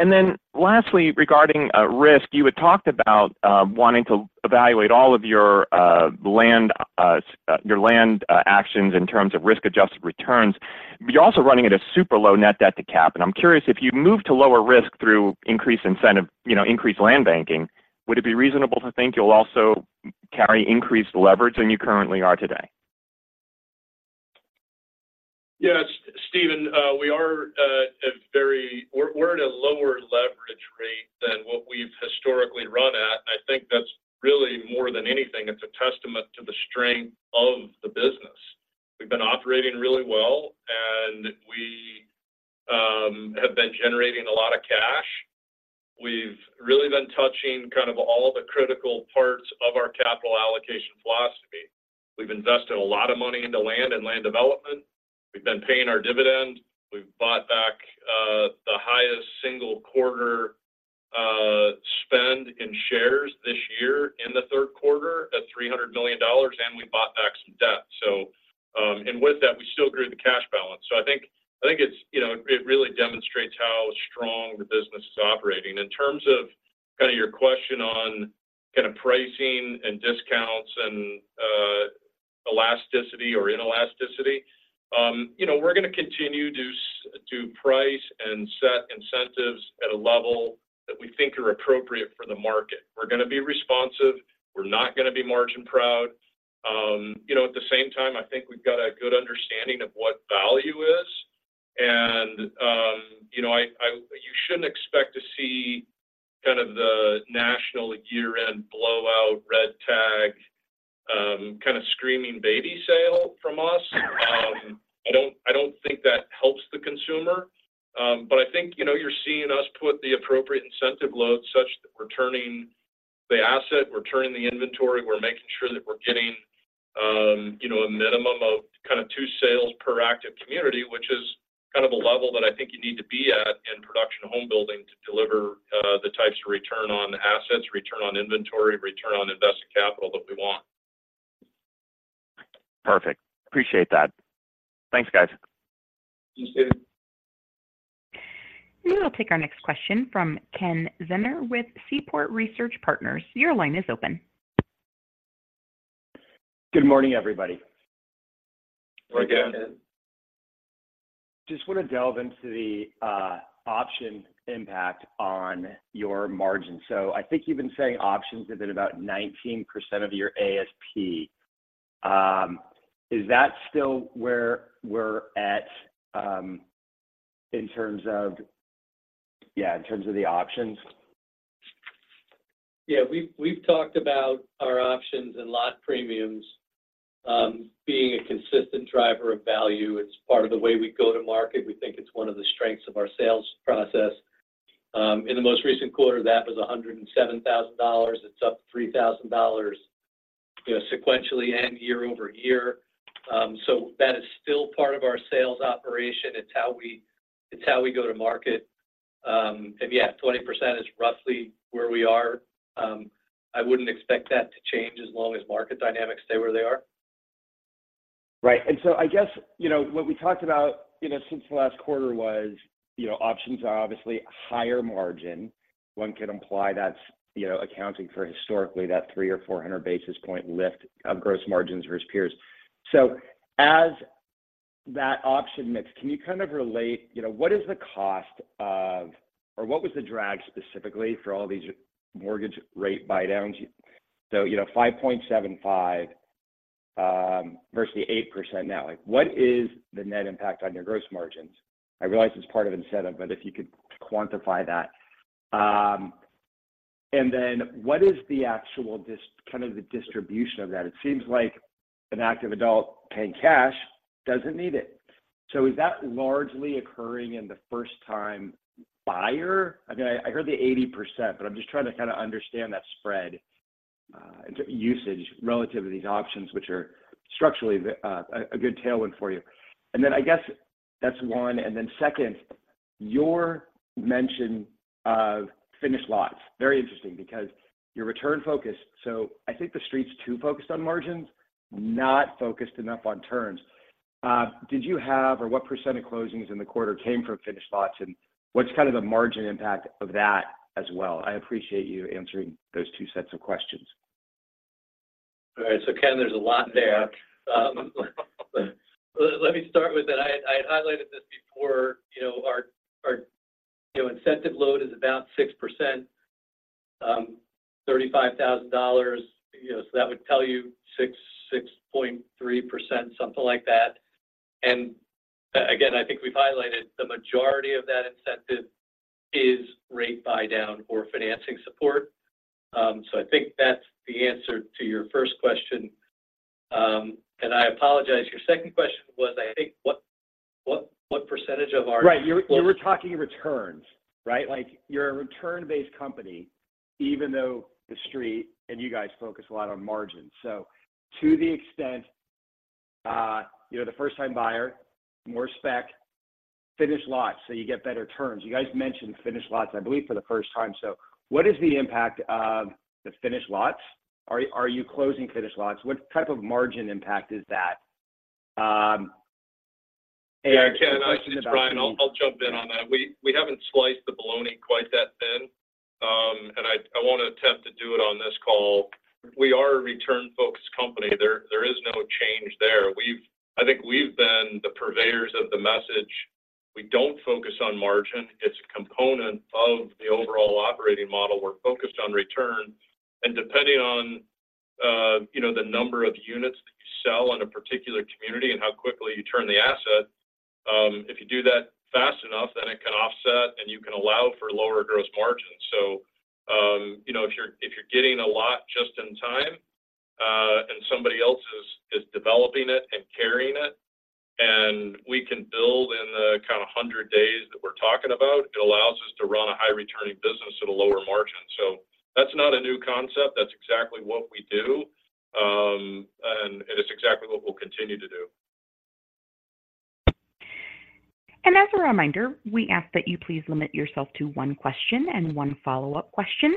And then lastly, regarding risk, you had talked about wanting to evaluate all of your land your land actions in terms of risk-adjusted returns. But you're also running at a super low net debt to cap, and I'm curious if you move to lower risk through increased incentive, you know, increased land banking, would it be reasonable to think you'll also carry increased leverage than you currently are today? Yes, Steven, we are at a very. We're at a lower leverage rate than what we've historically run at. I think that's really more than anything, it's a testament to the strength of the business. We've been operating really well, and we have been generating a lot of cash. We've really been touching kind of all the critical parts of our capital allocation philosophy. We've invested a lot of money into land and land development. We've been paying our dividend. We've bought back the highest single quarter spend in shares this year in the third quarter at $300 million, and we bought back some debt. So, and with that, we still grew the cash balance. So I think, I think it's, you know, it really demonstrates how strong the business is operating. In terms of kind of your question on kind of pricing and discounts and elasticity or inelasticity, you know, we're going to continue to price and set incentives at a level that we think are appropriate for the market. We're going to be responsive. We're not going to be margin-proud. You know, at the same time, I think we've got a good understanding of what value is, and you know, you shouldn't expect to see kind of the national year-end blowout, Red Tag kind of screaming baby sale from us. I don't, I don't think that helps the consumer, but I think, you know, you're seeing us put the appropriate incentive load such that we're turning the asset, we're turning the inventory. We're making sure that we're getting, you know, a minimum of kind of two sales per active community, which is kind of a level that I think you need to be at in production home building to deliver the types of return on assets, return on inventory, return on invested capital that we want. Perfect. Appreciate that. Thanks, guys. Thanks, Steven. We will take our next question from Ken Zener with Seaport Research Partners. Your line is open. Good morning, everybody. Morning, Ken. Just want to delve into the option impact on your margin. So I think you've been saying options have been about 19% of your ASP. Is that still where we're at, in terms of, yeah, in terms of the options? Yeah, we've talked about our options and lot premiums being a consistent driver of value. It's part of the way we go to market. We think it's one of the strengths of our sales process. In the most recent quarter, that was $107,000. It's up $3,000, you know, sequentially and year-over-year. So that is still part of our sales operation. It's how we go to market. And yeah, 20% is roughly where we are. I wouldn't expect that to change as long as market dynamics stay where they are. Right. And so I guess, you know, what we talked about, you know, since the last quarter was, you know, options are obviously higher margin. One can imply that's, you know, accounting for historically that 300 or 400 basis point lift of gross margins versus peers. So as that option mix, can you kind of relate, you know, what is the cost of, or what was the drag specifically for all these mortgage rate buydowns? So, you know, 5.75 versus the 8% now. Like, what is the net impact on your gross margins? I realize it's part of incentive, but if you could quantify that. And then what is the actual distribution of that? It seems like an active adult paying cash doesn't need it. So is that largely occurring in the first-time buyer? I mean, I heard the 80%, but I'm just trying to kind of understand that spread... usage relative to these options, which are structurally a good tailwind for you. And then I guess that's one, and then second, your mention of finished lots. Very interesting, because you're return focused, so I think the Street's too focused on margins, not focused enough on turns. Did you have, or what percent of closings in the quarter came from finished lots, and what's kind of the margin impact of that as well? I appreciate you answering those two sets of questions. All right. So, Ken, there's a lot there. Let me start with that. I highlighted this before, you know, our incentive load is about 6%, $35,000. You know, so that would tell you 6.3%, something like that. And again, I think we've highlighted the majority of that incentive is rate buydown or financing support. So I think that's the answer to your first question. And I apologize, your second question was, I think, what percentage of our- Right. You were, you were talking returns, right? Like, you're a return-based company, even though The Street and you guys focus a lot on margins. So to the extent, you know, the first-time buyer, more spec, finished lots, so you get better terms. You guys mentioned finished lots, I believe, for the first time. So what is the impact of the finished lots? Are, are you closing finished lots? What type of margin impact is that? And- Yeah, Ken, this is Ryan. I'll jump in on that. We haven't sliced the baloney quite that thin, and I won't attempt to do it on this call. We are a return-focused company. There is no change there. We've. I think we've been the purveyors of the message. We don't focus on margin. It's a component of the overall operating model. We're focused on return, and depending on, you know, the number of units that you sell in a particular community and how quickly you turn the asset, if you do that fast enough, then it can offset, and you can allow for lower gross margins. So, you know, if you're getting a lot just in time, and somebody else is developing it and carrying it, and we can build in the kind of 100 days that we're talking about, it allows us to run a high-returning business at a lower margin. So that's not a new concept. That's exactly what we do. And it's exactly what we'll continue to do. As a reminder, we ask that you please limit yourself to one question and one follow-up question,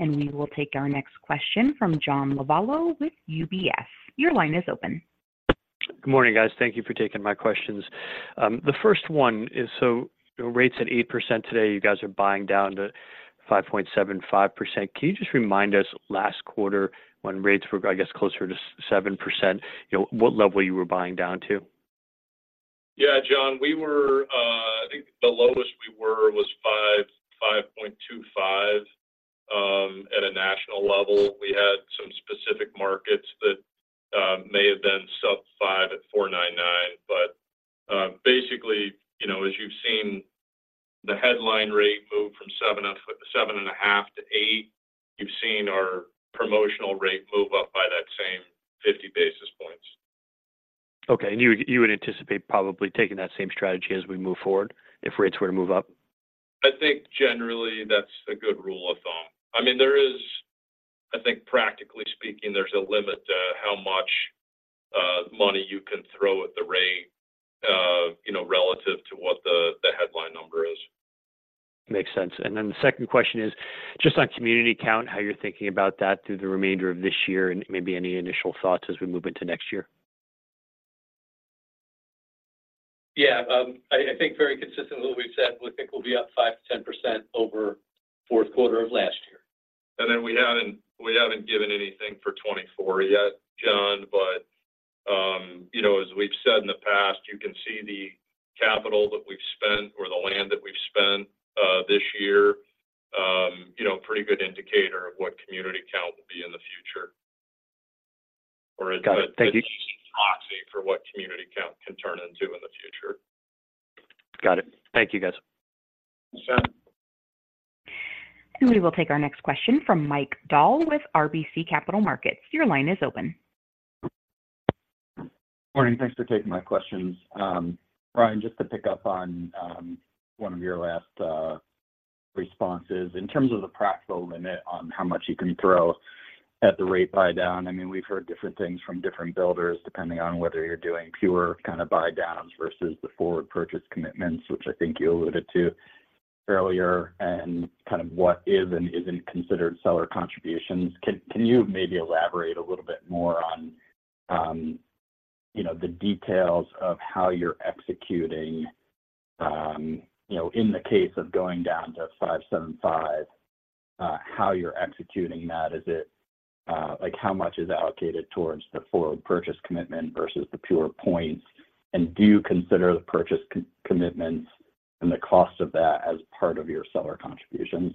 and we will take our next question from John Lovallo with UBS. Your line is open. Good morning, guys. Thank you for taking my questions. The first one is, so rates at 8% today, you guys are buying down to 5.75%. Can you just remind us, last quarter, when rates were, I guess, closer to 7%, you know, what level you were buying down to? Yeah, John, we were. I think the lowest we were was 5, 5.25. At a national level, we had some specific markets that may have been sub-5 at 4.99. But, basically, you know, as you've seen, the headline rate move from 7 and 7.5 to 8, you've seen our promotional rate move up by that same 50 basis points. Okay. And you would anticipate probably taking that same strategy as we move forward, if rates were to move up? I think generally that's a good rule of thumb. I mean, there is... I think practically speaking, there's a limit to how much, money you can throw at the rate, you know, relative to what the, the headline number is. Makes sense. And then the second question is, just on community count, how you're thinking about that through the remainder of this year, and maybe any initial thoughts as we move into next year? Yeah. I think very consistent with what we've said, we think we'll be up 5%-10% over fourth quarter of last year. And then we haven't given anything for 2024 yet, John. But you know, as we've said in the past, you can see the capital that we've spent or the land that we've spent this year, you know, pretty good indicator of what community count will be in the future, or- Got it. Thank you a proxy for what community count can turn into in the future. Got it. Thank you, guys. Sure. We will take our next question from Mike Dahl with RBC Capital Markets. Your line is open. Morning. Thanks for taking my questions. Brian, just to pick up on, one of your last, responses. In terms of the practical limit on how much you can throw at the rate buydown, I mean, we've heard different things from different builders, depending on whether you're doing pure kind of buydowns versus the forward purchase commitments, which I think you alluded to earlier, and kind of what is and isn't considered seller contributions. Can, can you maybe elaborate a little bit more on, you know, the details of how you're executing, you know, in the case of going down to 5.75, how you're executing that? Is it, like how much is allocated towards the forward purchase commitment versus the pure points? Do you consider the purchase co-commitments and the cost of that as part of your seller contributions?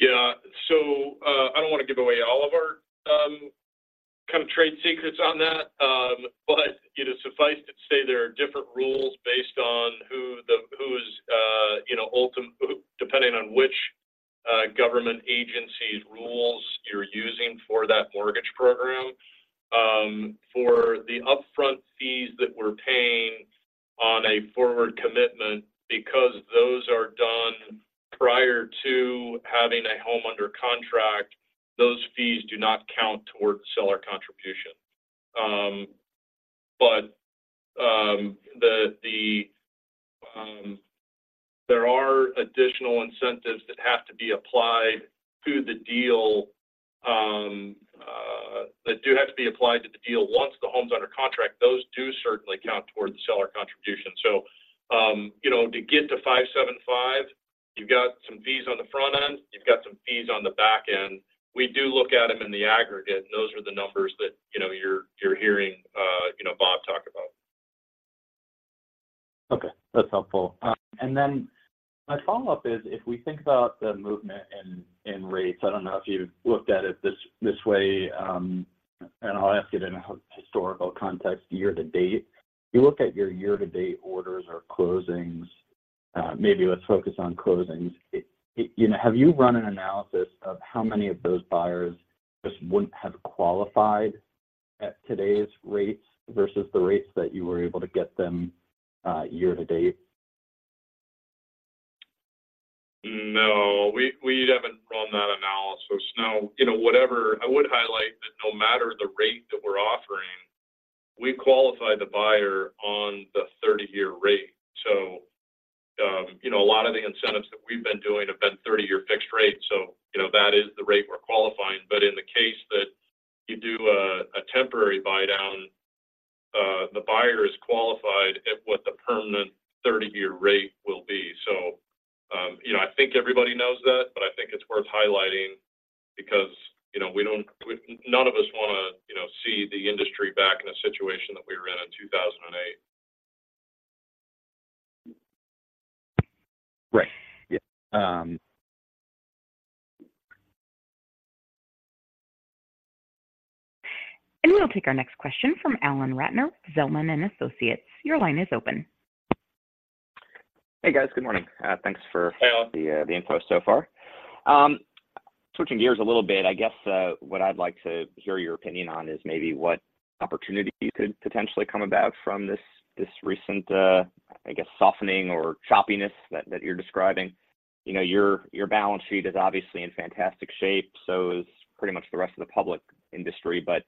Yeah. So, I don't want to give away all of our, kind of trade secrets on that, but, you know, suffice to say, there are different rules based on who the, who is, you know, depending on which, government agency's rules we're using for that mortgage program. For the upfront fees that we're paying on a forward commitment, because those are done prior to having a home under contract, those fees do not count towards seller contribution. But, the, there are additional incentives that have to be applied to the deal, that do have to be applied to the deal once the home's under contract. Those do certainly count towards the seller contribution. So, you know, to get to 5.75, you've got some fees on the front end, you've got some fees on the back end. We do look at them in the aggregate, and those are the numbers that, you know, you're hearing, you know, Bob talk about. Okay, that's helpful. And then my follow-up is, if we think about the movement in rates, I don't know if you've looked at it this way, and I'll ask it in a historical context, year to date. You look at your year-to-date orders or closings, maybe let's focus on closings. You know, have you run an analysis of how many of those buyers just wouldn't have qualified at today's rates versus the rates that you were able to get them, year to date? No, we haven't run that analysis. Now, you know, whatever, I would highlight that no matter the rate that we're offering, we qualify the buyer on the 30-year rate. So, you know, a lot of the incentives that we've been doing have been 30-year fixed rate, so, you know, that is the rate we're qualifying. But in the case that you do a temporary buydown, the buyer is qualified at what the permanent 30-year rate will be. So, you know, I think everybody knows that, but I think it's worth highlighting because, you know, we don't, none of us want to, you know, see the industry back in a situation that we were in in 2008. Right. Yeah... We'll take our next question from Alan Ratner, Zelman and Associates. Your line is open. Hey, guys. Good morning. Thanks for- Hey, Alan. The info so far. Switching gears a little bit, I guess, what I'd like to hear your opinion on is maybe what opportunities could potentially come about from this recent softening or choppiness that you're describing. You know, your balance sheet is obviously in fantastic shape, so is pretty much the rest of the public industry. But,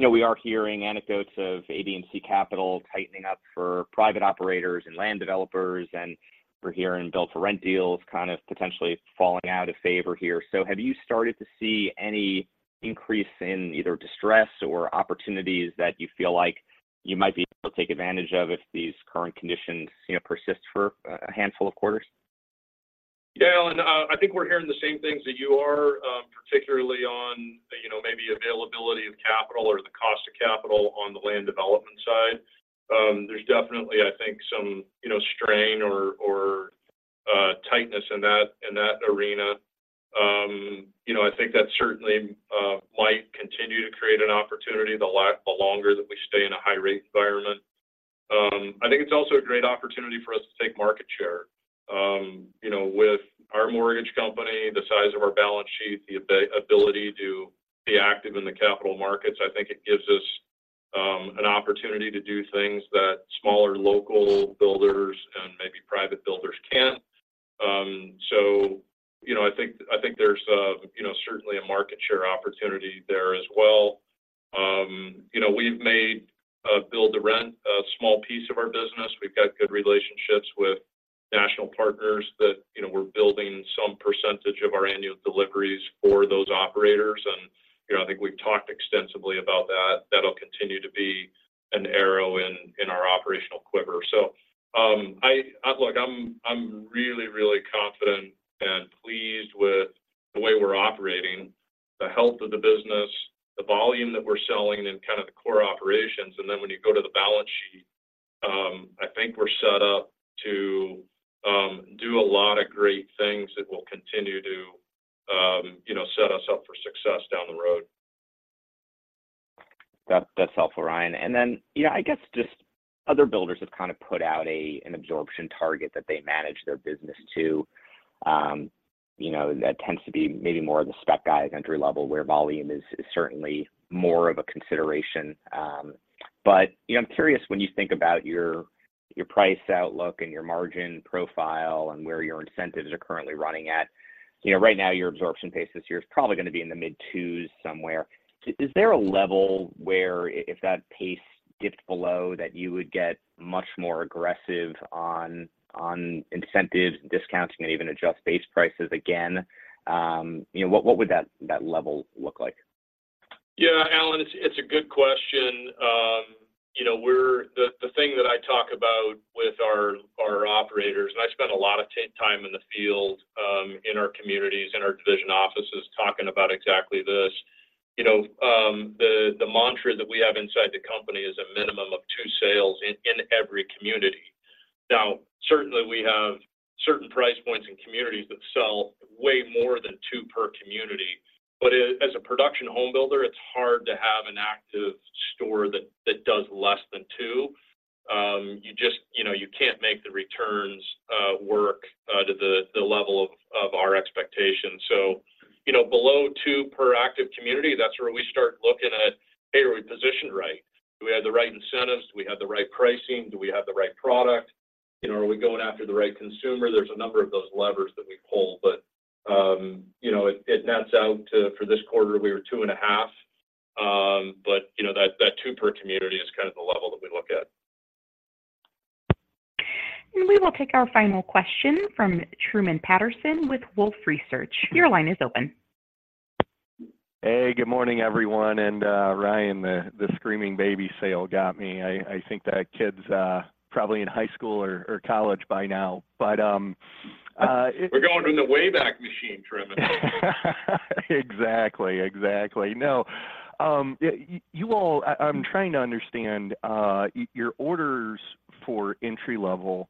you know, we are hearing anecdotes of AD&C capital tightening up for private operators and land developers, and we're hearing build-to-rent deals kind of potentially falling out of favor here. So have you started to see any increase in either distress or opportunities that you feel like you might be able to take advantage of if these current conditions, you know, persist for a handful of quarters? Yeah, Alan, I think we're hearing the same things that you are, particularly on, you know, maybe availability of capital or the cost of capital on the land development side. There's definitely, I think, some, you know, strain or tightness in that arena. You know, I think that certainly might continue to create an opportunity, the longer that we stay in a high-rate environment. I think it's also a great opportunity for us to take market share. You know, with our mortgage company, the size of our balance sheet, the ability to be active in the capital markets, I think it gives us an opportunity to do things that smaller local builders and maybe private builders can't. So, you know, I think, I think there's a, you know, certainly a market share opportunity there as well. You know, we've made, build-to-rent a small piece of our business. We've got good relationships with national partners that, you know, we're building some percentage of our annual deliveries for those operators. And, you know, I think we've talked extensively about that. That'll continue to be an arrow in our operational quiver. So, look, I'm, I'm really, really confident and pleased with the way we're operating, the health of the business, the volume that we're selling, and kind of the core operations. And then when you go to the balance sheet, I think we're set up to, do a lot of great things that will continue to, you know, set us up for success down the road. That, that's helpful, Ryan. And then, you know, I guess just other builders have kind of put out an absorption target that they manage their business to. You know, that tends to be maybe more of the spec guys, entry level, where volume is certainly more of a consideration. But, you know, I'm curious, when you think about your price outlook and your margin profile and where your incentives are currently running at, you know, right now, your absorption pace this year is probably going to be in the mid-twos somewhere. Is there a level where if that pace dipped below, that you would get much more aggressive on incentives, discounts, and even adjust base prices again? You know, what would that level look like? Yeah, Alan, it's a good question. You know, the thing that I talk about with our operators, and I spend a lot of time in the field, in our communities, in our division offices, talking about exactly this. You know, the mantra that we have inside the company is a minimum of two sales in every community. Now, certainly, we have certain price points and communities that sell way more than two per community. But as a production home builder, it's hard to have an active store that does less than two. You just, you know, you can't make the returns work to the level of our expectations. So, you know, below two per active community, that's where we start looking at, "Hey, are we positioned right? Do we have the right incentives? Do we have the right pricing? Do we have the right product? You know, are we going after the right consumer?" There's a number of those levers that we pull, but, you know, it nets out to, for this quarter, we were 2.5. But, you know, that 2 per community is kind of the level that we look at. We will take our final question from Truman Patterson with Wolfe Research. Your line is open. Hey, good morning, everyone, and, Ryan, the screaming baby sale got me. I think that kid's probably in high school or college by now, but - We're going in the Wayback Machine, Truman. Exactly. Exactly. No, you all, I'm trying to understand, your orders for entry-level,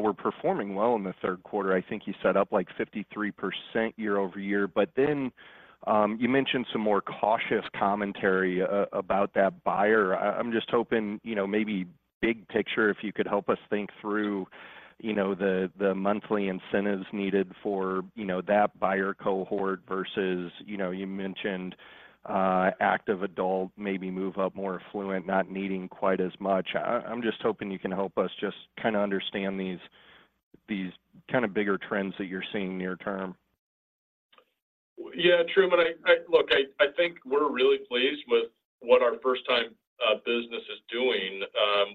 were performing well in the third quarter. I think you set up, like, 53% year-over-year. But then, you mentioned some more cautious commentary about that buyer. I'm just hoping, you know, maybe big picture, if you could help us think through, you know, the monthly incentives needed for, you know, that buyer cohort versus, you know, you mentioned, active adult maybe move up more affluent, not needing quite as much. I'm just hoping you can help us just kinda understand these kind of bigger trends that you're seeing near term. Yeah, Truman, look, I think we're really pleased with what our first-time business is doing.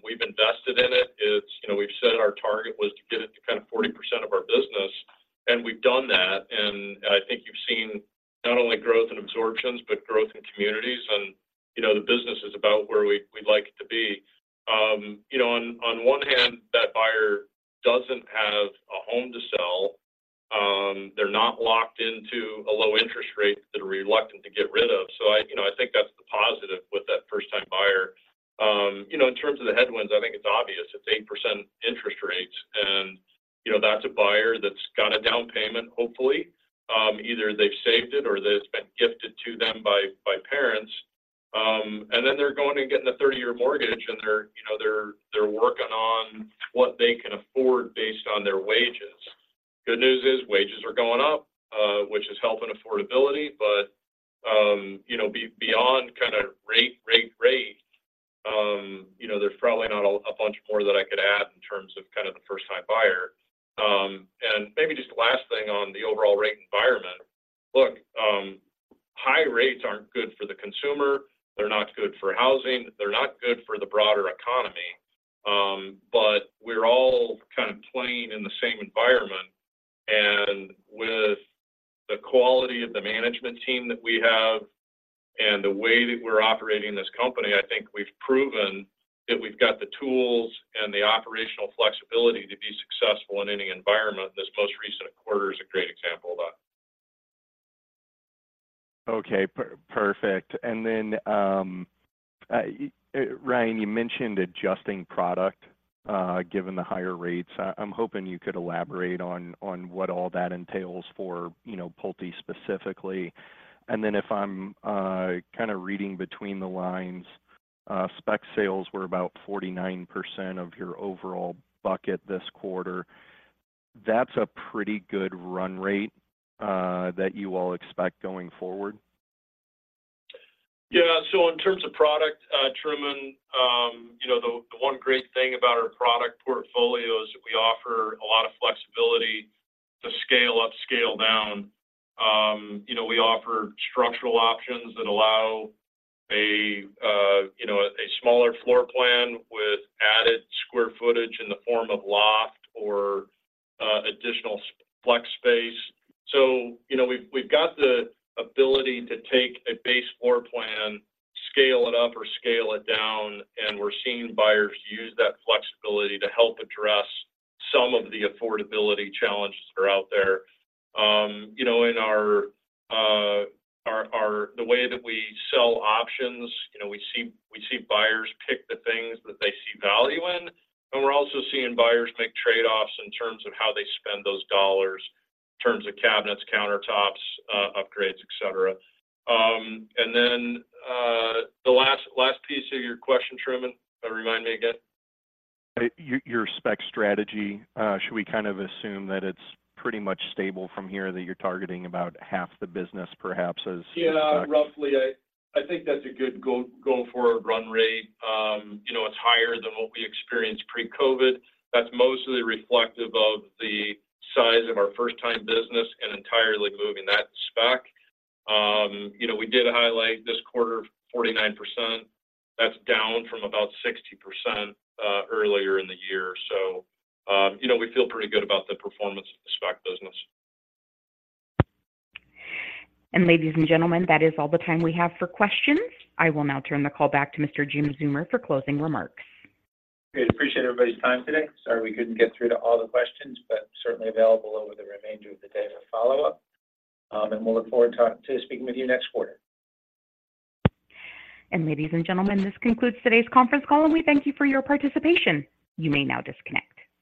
We've invested in it. It's, you know, we've said our target was to get it to kind of 40% of our business, and we've done that. And I think you've seen not only growth in absorptions, but growth in communities, and, you know, the business is about where we'd like it to be. You know, on one hand, that buyer doesn't have a home to sell. They're not locked into a low interest rate that are reluctant to get rid of. So, you know, I think that's the positive with that first-time buyer. You know, in terms of the headwinds, I think it's obvious it's 8% interest rates, and, you know, that's a buyer that's got a down payment, hopefully. Either they've saved it or it's been gifted to them by parents. And then they're going and getting a 30-year mortgage, and they're, you know, they're working on what they can afford based on their wages. Good news is, wages are going up, which is helping affordability, but, you know, beyond kinda rate, you know, there's probably not a bunch more that I could add in terms of kinda the first-time buyer. And maybe just the last thing on the overall rate environment: Look, high rates aren't good for the consumer, they're not good for housing, they're not good for the broader economy. But we're all kind of playing in the same environment, and with the quality of the management team that we have and the way that we're operating this company, I think we've proven that we've got the tools and the operational flexibility to be successful in any environment, and this most recent quarter is a great example of that. Okay, perfect. Then, Ryan, you mentioned adjusting product given the higher rates. I'm hoping you could elaborate on what all that entails for, you know, Pulte specifically. And then, if I'm kinda reading between the lines, spec sales were about 49% of your overall bucket this quarter. That's a pretty good run rate that you all expect going forward? Yeah. So in terms of product, Truman, you know, the one great thing about our product portfolio is that we offer a lot of flexibility to scale up, scale down. You know, we offer structural options that allow you know, a smaller floor plan with added square footage in the form of loft or additional flex space. So, you know, we've got the ability to take a base floor plan, scale it up or scale it down, and we're seeing buyers use that flexibility to help address some of the affordability challenges that are out there. You know, in our our our... The way that we sell options, you know, we see buyers pick the things that they see value in, and we're also seeing buyers make trade-offs in terms of how they spend those dollars, in terms of cabinets, countertops, upgrades, et cetera. And then, the last piece of your question, Truman, remind me again. Your spec strategy, should we kind of assume that it's pretty much stable from here, that you're targeting about half the business perhaps as- Yeah, roughly. I think that's a good go-forward run rate. You know, it's higher than what we experienced pre-COVID. That's mostly reflective of the size of our first-time business and entirely moving that spec. You know, we did highlight this quarter, 49%, that's down from about 60%, earlier in the year. So, you know, we feel pretty good about the performance of the spec business. Ladies and gentlemen, that is all the time we have for questions. I will now turn the call back to Mr. Jim Zeumer for closing remarks. Great. Appreciate everybody's time today. Sorry, we couldn't get through to all the questions, but certainly available over the remainder of the day for follow-up. And we'll look forward to speaking with you next quarter. Ladies and gentlemen, this concludes today's conference call, and we thank you for your participation. You may now disconnect.